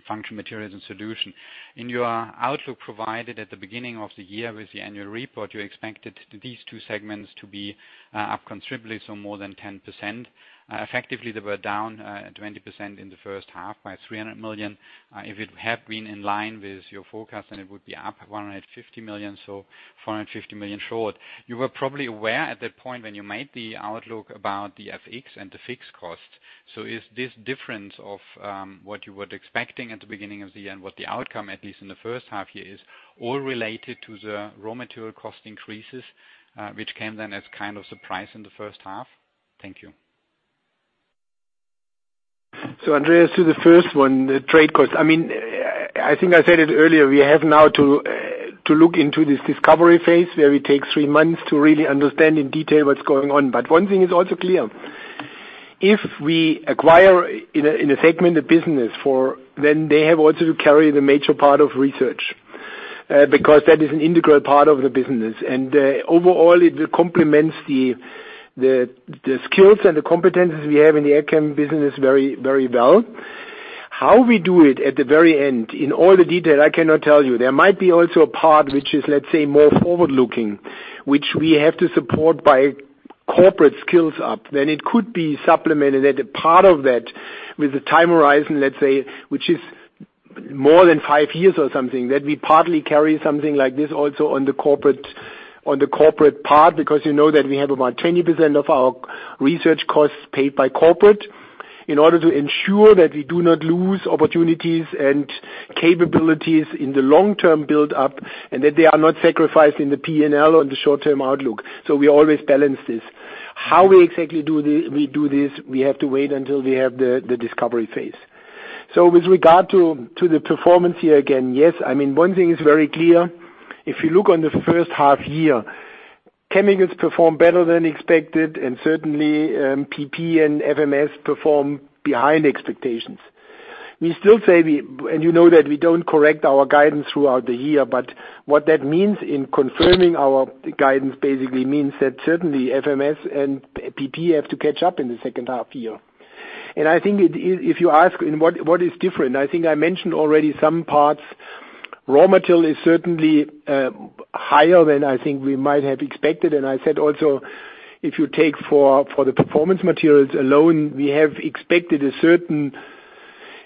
Functional Materials and Solutions. In your outlook provided at the beginning of the year with the annual report, you expected these two segments to be up considerably, so more than 10%. Effectively, they were down 20% in the first half by 300 million. If it had been in line with your forecast, then it would be up 150 million, so 450 million short. You were probably aware at that point when you made the outlook about the FX and the fixed cost. Is this difference of what you were expecting at the beginning of the year and what the outcome, at least in the first half year, is all related to the raw material cost increases, which came then as kind of surprise in the first half? Thank you. Andreas, to the first one, the trait cost. I think I said it earlier. We have now to look into this discovery phase where we take three months to really understand in detail what's going on. One thing is also clear. If we acquire in a segment of business for, then they have also to carry the major part of research, because that is an integral part of the business. Overall, it complements the skills and the competencies we have in the AgChem business very well. How we do it at the very end, in all the detail, I cannot tell you. There might be also a part which is, let's say, more forward-looking, which we have to support by corporate skill-up. It could be supplemented at a part of that with the time horizon, let's say, which is more than 5 years or something, that we partly carry something like this also on the corporate part, because you know that we have about 20% of our research costs paid by corporate in order to ensure that we do not lose opportunities and capabilities in the long-term build-up and that they are not sacrificed in the P&L or the short-term outlook. We always balance this. How we exactly do this? We have to wait until we have the discovery phase. With regard to the performance here again, yes. One thing is very clear. If you look on the first half-year, Chemicals performed better than expected, and certainly, PP and FMS performed behind expectations. We still say, and you know that we don't correct our guidance throughout the year, but what that means in confirming our guidance basically means that certainly FMS and PP have to catch up in the second half-year. I think if you ask what is different, I think I mentioned already some parts. Raw material is certainly higher than I think we might have expected, and I said also, if you take for the performance materials alone, we have expected a certain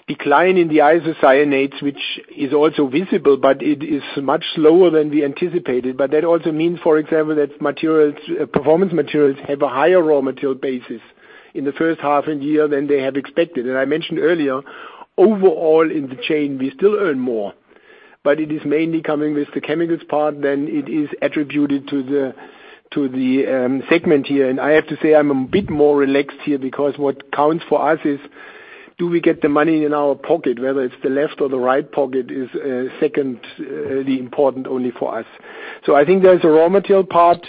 decline in the isocyanates, which is also visible, but it is much slower than we anticipated. But that also means, for example, that performance materials have a higher raw material basis in the first half in the year than they had expected. I mentioned earlier, overall in the chain, we still earn more, but it is mainly coming with the Chemicals part than it is attributed to the segment here. I have to say, I'm a bit more relaxed here because what counts for us is do we get the money in our pocket, whether it's the left or the right pocket is secondly important only for us. I think there's a raw material part.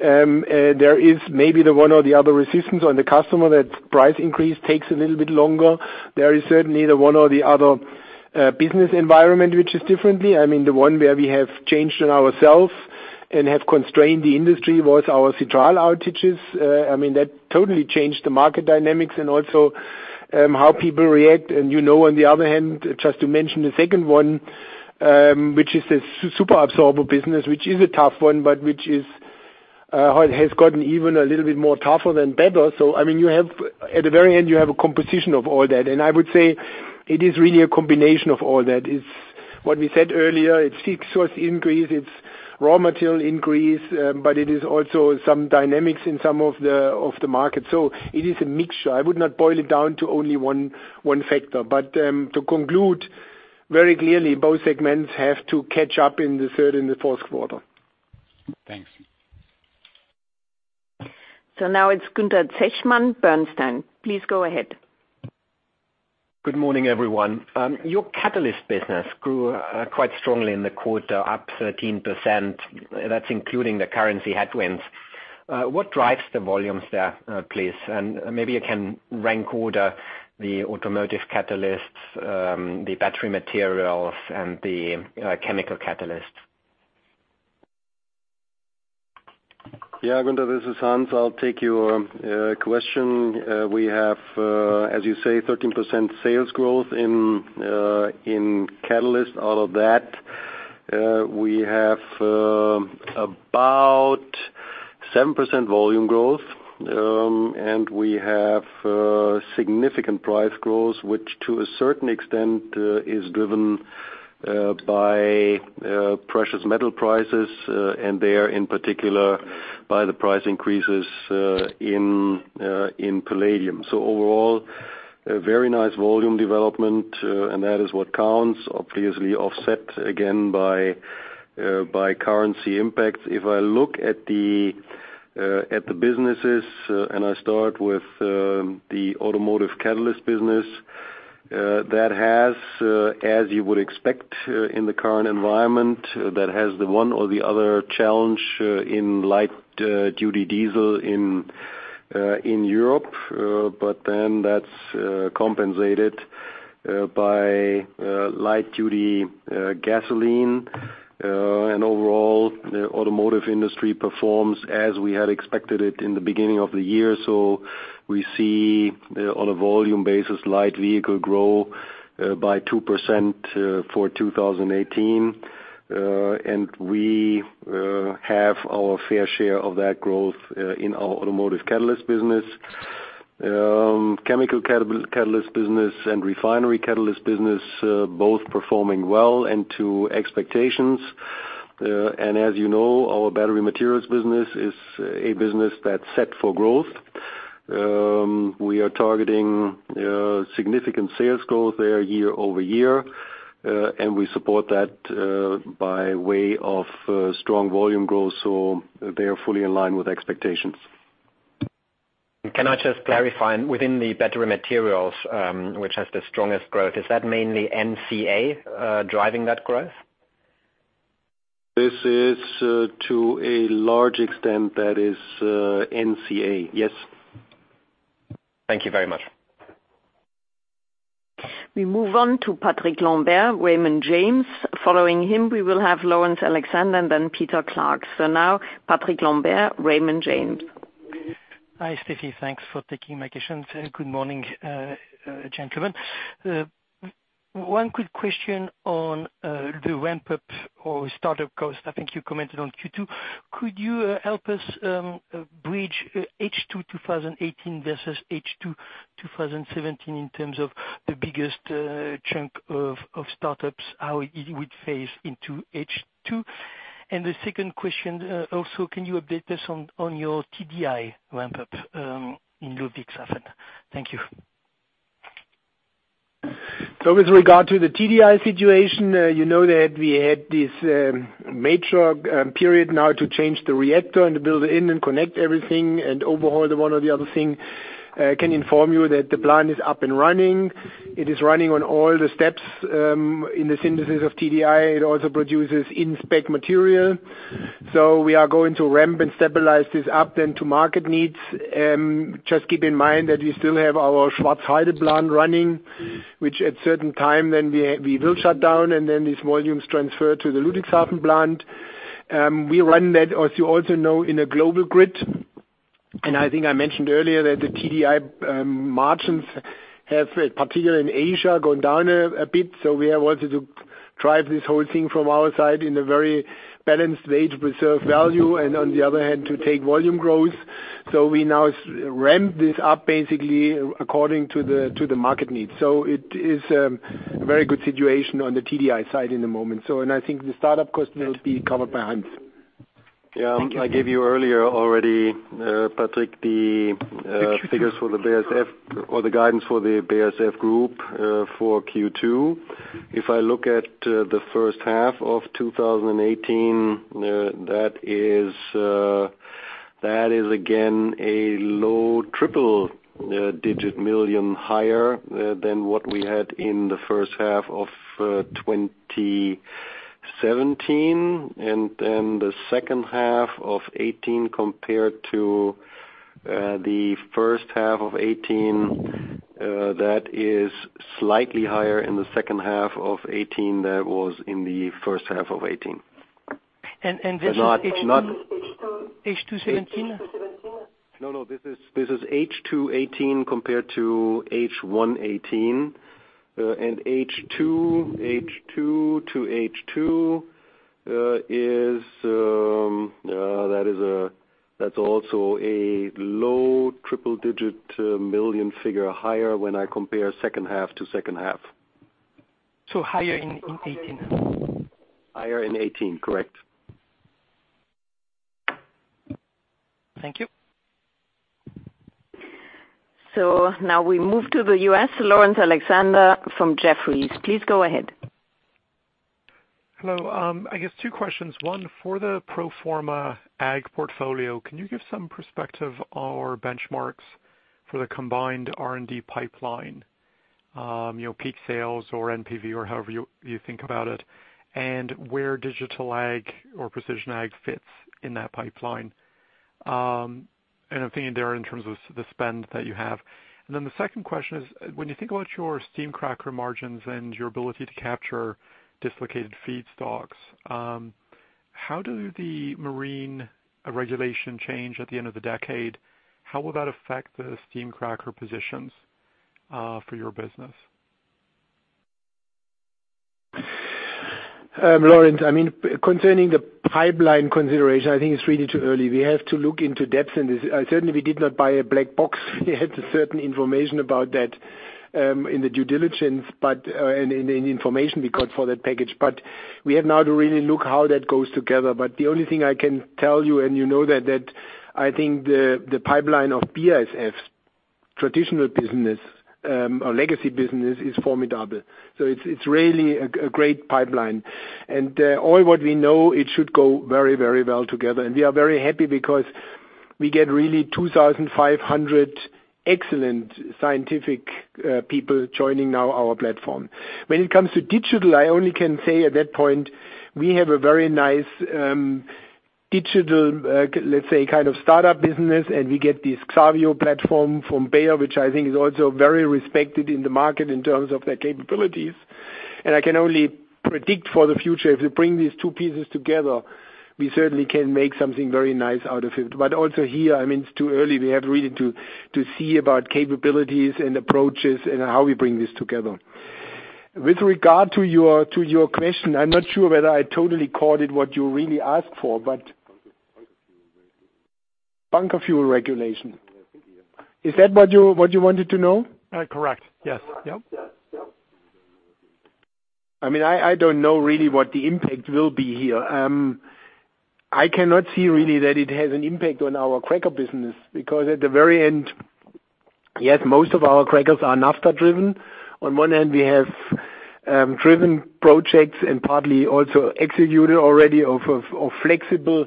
There is maybe the one or the other resistance on the customer that price increase takes a little bit longer. There is certainly the one or the other business environment which is differently. The one where we have changed on ourselves and have constrained the industry was our citral outages. That totally changed the market dynamics and also how people react. You know, on the other hand, just to mention the second one, which is the superabsorbent business, which is a tough one, but which has gotten even a little bit more tougher than better. At the very end, you have a composition of all that. I would say it is really a combination of all that. It's what we said earlier. It's fixed cost increase, it's raw material increase, but it is also some dynamics in some of the market. It is a mixture. I would not boil it down to only one factor. To conclude, very clearly, both segments have to catch up in the third and the fourth quarter. Thanks. Now it's Gunther Zechmann, Bernstein. Please go ahead. Good morning, everyone. Your catalyst business grew quite strongly in the quarter, up 13%. That's including the currency headwinds. What drives the volumes there, please? Maybe you can rank order the automotive catalysts, the battery materials, and the chemical catalysts. Yeah, Gunther, this is Hans. I'll take your question. We have, as you say, 13% sales growth in catalyst. Out of that, we have about 7% volume growth, and we have significant price growth, which to a certain extent, is driven by precious metal prices, and there, in particular, by the price increases in palladium. Overall, a very nice volume development, and that is what counts. Obviously offset again by currency impacts. If I look at the businesses, I start with the automotive catalyst business, that has, as you would expect in the current environment, that has the one or the other challenge in light-duty diesel in Europe. That's compensated by light-duty gasoline. Overall, the automotive industry performs as we had expected it in the beginning of the year. We see on a volume basis, light vehicle grow by 2% for 2018. We have our fair share of that growth in our automotive catalyst business. Chemical catalyst business and refinery catalyst business, both performing well and to expectations. As you know, our battery materials business is a business that's set for growth. We are targeting significant sales growth there year-over-year. We support that by way of strong volume growth, they are fully in line with expectations. Can I just clarify, within the battery materials, which has the strongest growth, is that mainly NCA driving that growth? This is to a large extent, that is NCA. Yes. Thank you very much. We move on to Patrick Lambert, Raymond James. Following him, we will have Laurence Alexander and then Peter Clark. Now, Patrick Lambert, Raymond James. Hi, Steffi. Thanks for taking my questions. Good morning, gentlemen. One quick question on the ramp-up or startup cost. I think you commented on Q2. Could you help us bridge H2 2018 versus H2 2017 in terms of the biggest chunk of startups, how it would phase into H2? The second question also, can you update us on your TDI ramp-up in Ludwigshafen? Thank you. With regard to the TDI situation, you know that we had this major period now to change the reactor and to build in and connect everything and overhaul the one or the other thing. I can inform you that the plant is up and running. It is running on all the steps, in the synthesis of TDI. It also produces in-spec material. We are going to ramp and stabilize this up then to market needs. Just keep in mind that we still have our Schwarzheide plant running, which at certain time then we will shut down, and then these volumes transfer to the Ludwigshafen plant. We run that, as you also know, in a global grid. I think I mentioned earlier that the TDI margins have, particularly in Asia, gone down a bit. We have wanted to drive this whole thing from our side in a very balanced way to preserve value and on the other hand, to take volume growth. We now ramp this up basically according to the market needs. It is a very good situation on the TDI side in the moment. I think the startup cost will be covered by Hans. Thank you. Yeah. I gave you earlier already, Patrick, the. Sure. Sure figures for the BASF or the guidance for the BASF group for Q2. If I look at the first half of 2018, that is again, a low EUR triple-digit million higher than what we had in the first half of 2017. Then the second half of 2018 compared to the first half of 2018, that is slightly higher in the second half of 2018 than it was in the first half of 2018. This is. not- H2? H2 2017? H2 2017. No, no. This is H2 2018 compared to H1 2018. H2 to H2, that's also a low triple-digit million figure higher when I compare second half to second half. Higher in 2018. Higher in 2018, correct. Thank you. Now we move to the U.S., Laurence Alexander from Jefferies. Please go ahead. Hello. I guess two questions. One, for the pro forma ag portfolio, can you give some perspective or benchmarks for the combined R&D pipeline, peak sales or NPV, or however you think about it, and where digital ag or precision ag fits in that pipeline? I am thinking there in terms of the spend that you have. The second question is, when you think about your steam cracker margins and your ability to capture dislocated feedstocks, how do the marine regulation change at the end of the decade, how will that affect the steam cracker positions for your business? Laurence, concerning the pipeline consideration, I think it is really too early. We have to look into depths. Certainly we did not buy a black box. We had certain information about that in the due diligence and in information we got for that package. We have now to really look how that goes together. The only thing I can tell you, and you know that I think the pipeline of BASF's traditional business or legacy business is formidable. It is really a great pipeline. All what we know, it should go very well together. We are very happy because we get really 2,500 excellent scientific people joining now our platform. When it comes to digital, I only can say at that point, we have a very nice digital, let's say, kind of startup business. We get this xarvio platform from Bayer, which I think is also very respected in the market in terms of their capabilities. I can only predict for the future, if we bring these two pieces together, we certainly can make something very nice out of it. Also here, it is too early. We have really to see about capabilities and approaches and how we bring this together. With regard to your question, I am not sure whether I totally caught it what you really asked for. Bunker fuel regulation. Bunker fuel regulation. I think, yeah. Is that what you wanted to know? Correct. Yes. I don't know really what the impact will be here. I cannot see really that it has an impact on our cracker business because at the very end, yes, most of our crackers are naphtha-driven. On one end, we have driven projects and partly also executed already of flexible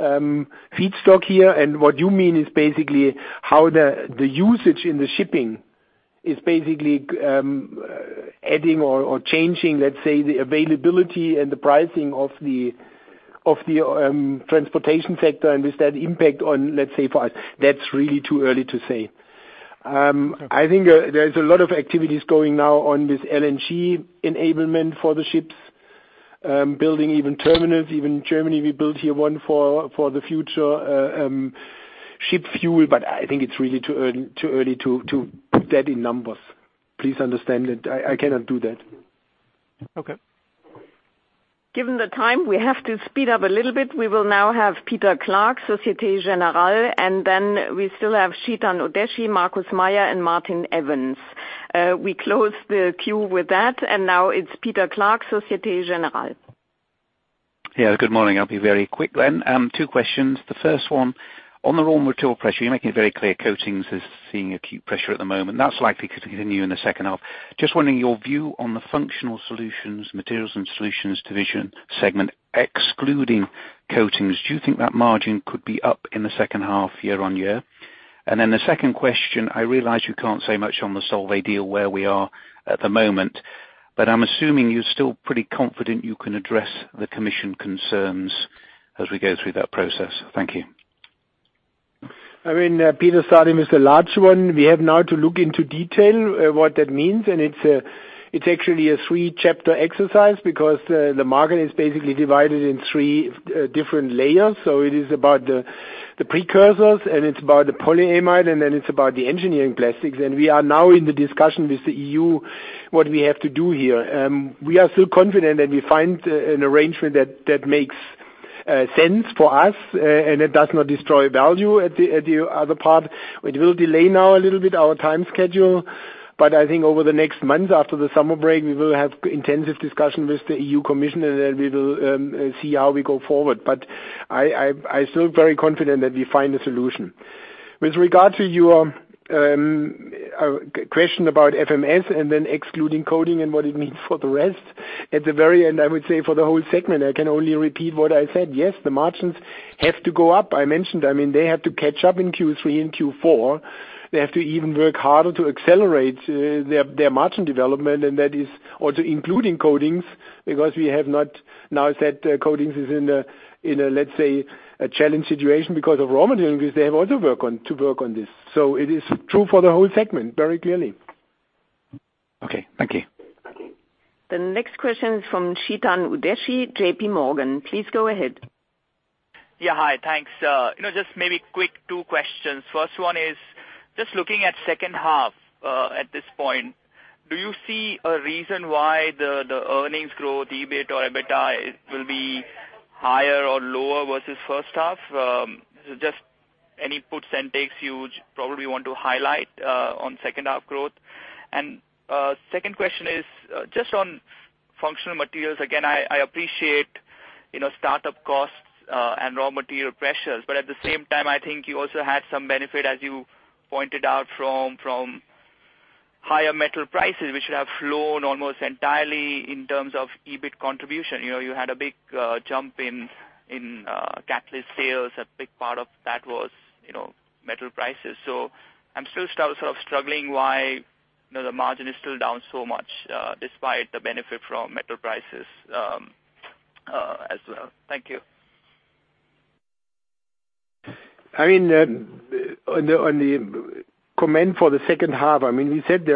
feedstock here. What you mean is basically how the usage in the shipping is basically adding or changing, let's say, the availability and the pricing of the transportation sector, and will that impact on, let's say, for us. That's really too early to say. I think there's a lot of activities going now on this LNG enablement for the ships, building even terminals. Even Germany, we built here one for the future ship fuel. I think it's really too early to put that in numbers. Please understand that I cannot do that. Okay. Given the time, we have to speed up a little bit. We will now have Peter Clark, Societe Generale, and then we still have Chetan Udeshi, Markus Mayer, and Martin Evans. We close the queue with that. Now it's Peter Clark, Societe Generale. Good morning. I'll be very quick then. Two questions. The first one, on the raw material pressure, you're making it very clear coatings is seeing acute pressure at the moment. That's likely to continue in the second half. Just wondering your view on the functional solutions, materials and solutions division segment, excluding coatings. Do you think that margin could be up in the second half year-on-year? Then the second question, I realize you can't say much on the Solvay deal where we are at the moment, but I'm assuming you're still pretty confident you can address the commission concerns as we go through that process. Thank you. Peter, starting with the large one, we have now to look into detail what that means, and it's actually a three-chapter exercise because the market is basically divided in three different layers. It is about the precursors, and it's about the polyamide, and then it's about the engineering plastics. We are now in the discussion with the EU, what we have to do here. We are still confident that we find an arrangement that makes sense for us, and it does not destroy value at the other part. It will delay now a little bit our time schedule, but I think over the next months after the summer break, we will have intensive discussion with the EU commission, and then we will see how we go forward. I'm still very confident that we find a solution. With regard to your question about FMS and then excluding coating and what it means for the rest, at the very end, I would say for the whole segment, I can only repeat what I said. Yes, the margins have to go up. I mentioned they have to catch up in Q3 and Q4. They have to even work harder to accelerate their margin development, and that is also including coatings because we have not now said coatings is in a, let's say, a challenged situation because of raw materials because they have also to work on this. It is true for the whole segment, very clearly. Okay. Thank you. The next question is from Chetan Udeshi, JP Morgan. Please go ahead. Hi, thanks. Just maybe quick two questions. First one is just looking at second half, at this point, do you see a reason why the earnings growth, EBIT or EBITDA, will be higher or lower versus first half? Just any puts and takes you would probably want to highlight on second half growth. Second question is just on functional materials. Again, I appreciate startup costs and raw material pressures, but at the same time, I think you also had some benefit, as you pointed out, from higher metal prices, which have flown almost entirely in terms of EBIT contribution. You had a big jump in catalyst sales. A big part of that was metal prices. I'm still sort of struggling why the margin is still down so much, despite the benefit from metal prices as well. Thank you. On the comment for the second half, we said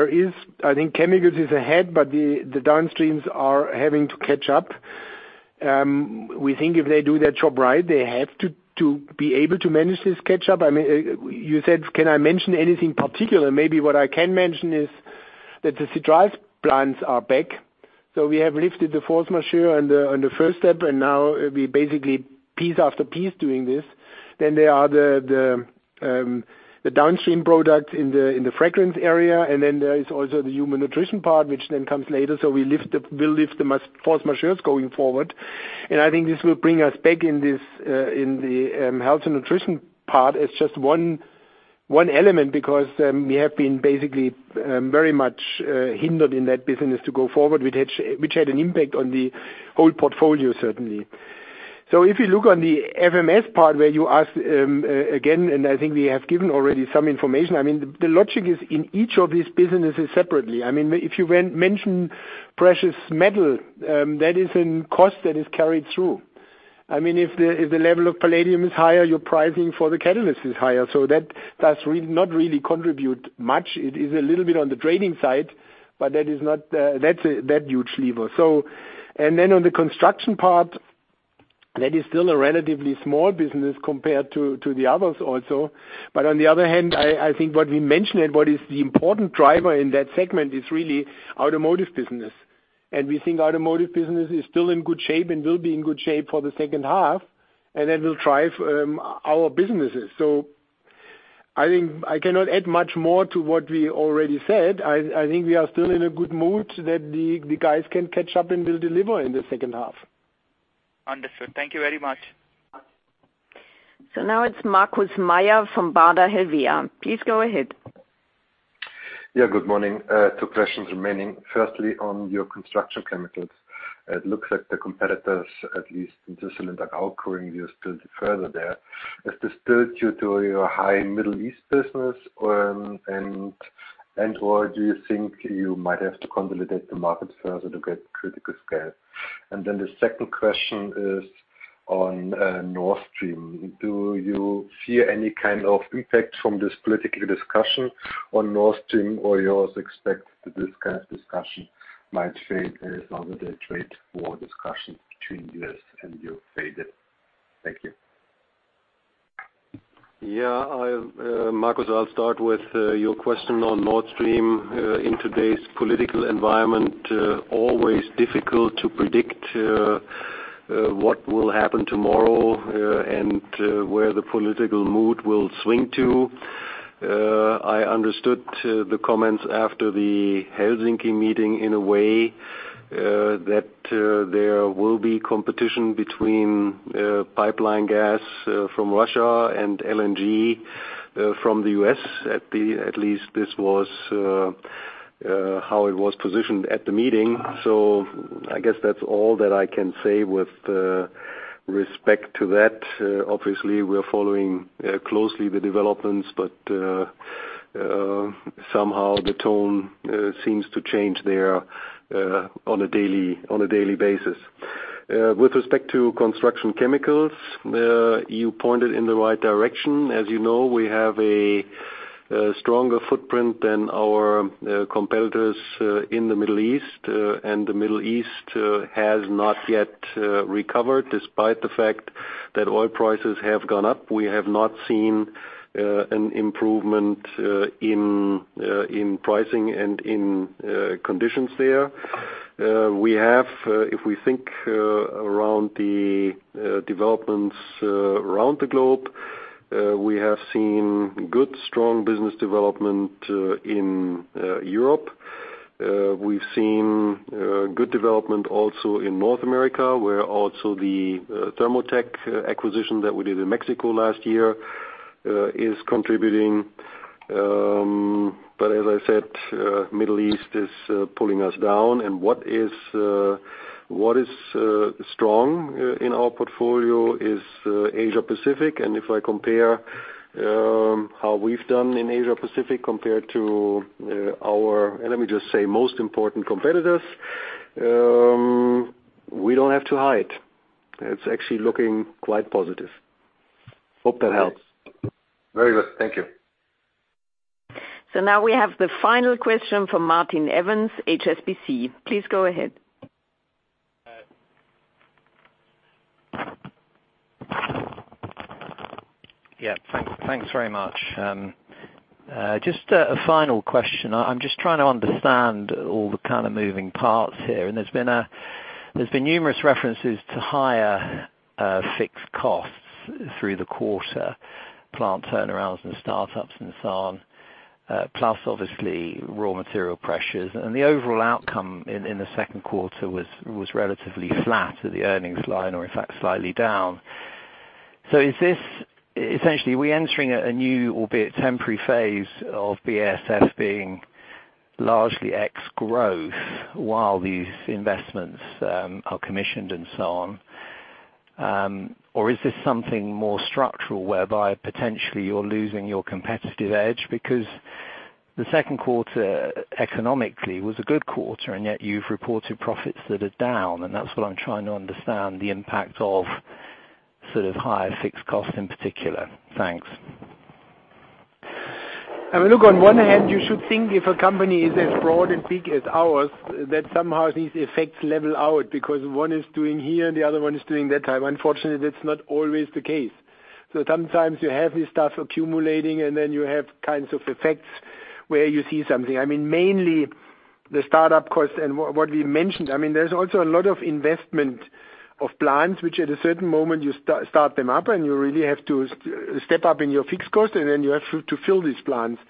I think Chemicals is ahead, the downstreams are having to catch up. We think if they do their job right, they have to be able to manage this catch-up. You said, can I mention anything particular? Maybe what I can mention is that the citral plants are back. We have lifted the force majeure on the first step, and now we basically piece after piece doing this. There are the downstream products in the fragrance area. There is also the human nutrition part, which then comes later. We'll lift the force majeure going forward. I think this will bring us back in the health and nutrition part. It's just one element because we have been basically very much hindered in that business to go forward, which had an impact on the whole portfolio certainly. If you look on the FMS part where you asked again, I think we have given already some information. The logic is in each of these businesses separately. If you mention precious metal, that is in cost that is carried through. If the level of palladium is higher, your pricing for the catalyst is higher. That does not really contribute much. It is a little bit on the trading side, but that is not that huge lever. On the construction part, that is still a relatively small business compared to the others also. On the other hand, I think what we mentioned and what is the important driver in that segment is really automotive business. We think automotive business is still in good shape and will be in good shape for the second half, and that will drive our businesses. I think I cannot add much more to what we already said. I think we are still in a good mood that the guys can catch up and will deliver in the second half. Understood. Thank you very much. Now it's Markus Mayer from Baader Helvea. Please go ahead. Yeah, good morning. Two questions remaining. Firstly, on your construction Chemicals, it looks like the competitors, at least in Switzerland, are outgrowing you still further there. Is this still due to your high Middle East business and/or do you think you might have to consolidate the market further to get critical scale? The second question is on Nord Stream. Do you fear any kind of impact from this political discussion on Nord Stream, or you also expect that this kind of discussion might fade as other trade war discussions between the U.S. and Europe faded? Thank you. Yeah. Markus, I'll start with your question on Nord Stream. In today's political environment, always difficult to predict what will happen tomorrow and where the political mood will swing to. I understood the comments after the Helsinki meeting in a way that there will be competition between pipeline gas from Russia and LNG from the U.S. At least this was how it was positioned at the meeting. I guess that's all that I can say with respect to that. Obviously, we are following closely the developments, but somehow the tone seems to change there on a daily basis. With respect to construction Chemicals, you pointed in the right direction. As you know, we have a stronger footprint than our competitors in the Middle East. The Middle East has not yet recovered. Despite the fact that oil prices have gone up, we have not seen an improvement in pricing and in conditions there. If we think around the developments around the globe, we have seen good, strong business development in Europe. We've seen good development also in North America, where also the THERMOTEK acquisition that we did in Mexico last year is contributing. As I said, Middle East is pulling us down. What is strong in our portfolio is Asia-Pacific. If I compare how we've done in Asia-Pacific compared to our, let me just say, most important competitors, we don't have to hide. It's actually looking quite positive. Hope that helps. Very good. Thank you. Now we have the final question from Martin Evans, HSBC. Please go ahead. Yeah. Thanks very much. Just a final question. I'm just trying to understand all the kind of moving parts here, and there's been numerous references to higher fixed costs through the quarter, plant turnarounds and startups and so on, plus obviously raw material pressures. The overall outcome in the second quarter was relatively flat at the earnings line, or in fact, slightly down. Essentially, are we entering a new, albeit temporary, phase of BASF being largely ex-growth while these investments are commissioned and so on? Or is this something more structural, whereby potentially you're losing your competitive edge? The second quarter economically was a good quarter, and yet you've reported profits that are down, and that's what I'm trying to understand the impact of higher fixed costs in particular. Thanks. I mean, look, on one hand, you should think if a company is as broad and big as ours, that somehow these effects level out because one is doing here and the other one is doing that time. Unfortunately, that's not always the case. Sometimes you have this stuff accumulating, and then you have kinds of effects where you see something. Mainly the startup cost and what we mentioned, there's also a lot of investment of plants, which at a certain moment you start them up and you really have to step up in your fixed cost, and then you have to fill these plants.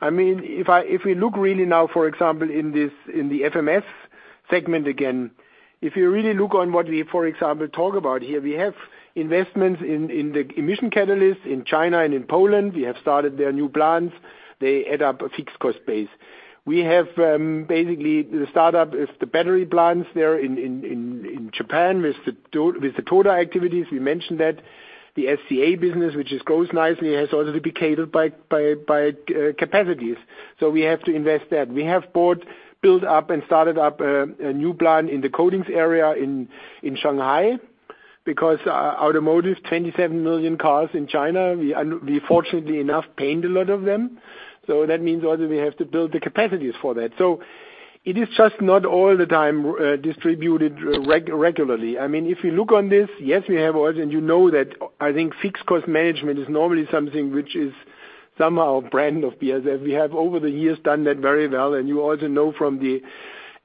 If we look really now, for example, in the FMS segment, again, if you really look on what we, for example, talk about here, we have investments in the emission catalysts in China and in Poland. We have started their new plants. They add up a fixed cost base. We have basically the startup is the battery plants there in Japan with the Toyota activities. We mentioned that. The SCA business, which grows nicely, has also to be catered by capacities. We have to invest that. We have bought, built up, and started up a new plant in the coatings area in Shanghai because automotive, 27 million cars in China, we fortunately enough paint a lot of them. That means also we have to build the capacities for that. It is just not all the time distributed regularly. If you look on this, yes, we have all, and you know that I think fixed cost management is normally something which is somehow a brand of BASF. We have over the years done that very well, and you also know from the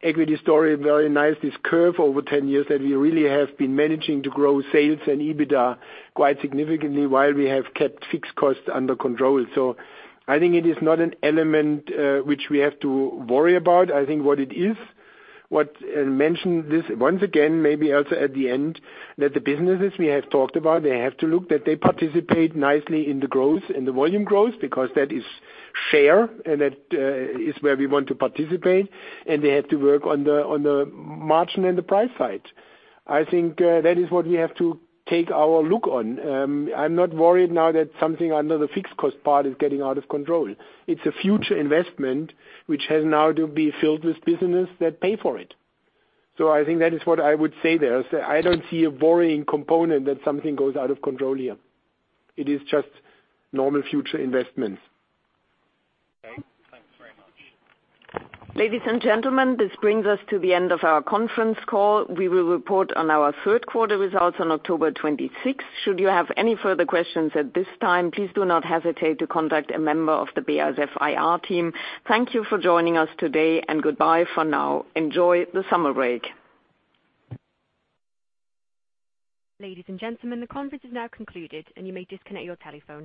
equity story very nice, this curve over 10 years, that we really have been managing to grow sales and EBITDA quite significantly while we have kept fixed costs under control. I think it is not an element which we have to worry about. I think what it is, what I mentioned this once again, maybe also at the end, that the businesses we have talked about, they have to look that they participate nicely in the growth, in the volume growth, because that is fair and that is where we want to participate, and they have to work on the margin and the price side. I think that is what we have to take our look on. I'm not worried now that something under the fixed cost part is getting out of control. It's a future investment which has now to be filled with business that pay for it. I think that is what I would say there. I don't see a worrying component that something goes out of control here. It is just normal future investments. Okay, thanks very much. Ladies and gentlemen, this brings us to the end of our conference call. We will report on our third quarter results on October 26th. Should you have any further questions at this time, please do not hesitate to contact a member of the BASF IR team. Thank you for joining us today, and goodbye for now. Enjoy the summer break. Ladies and gentlemen, the conference is now concluded and you may disconnect your telephone.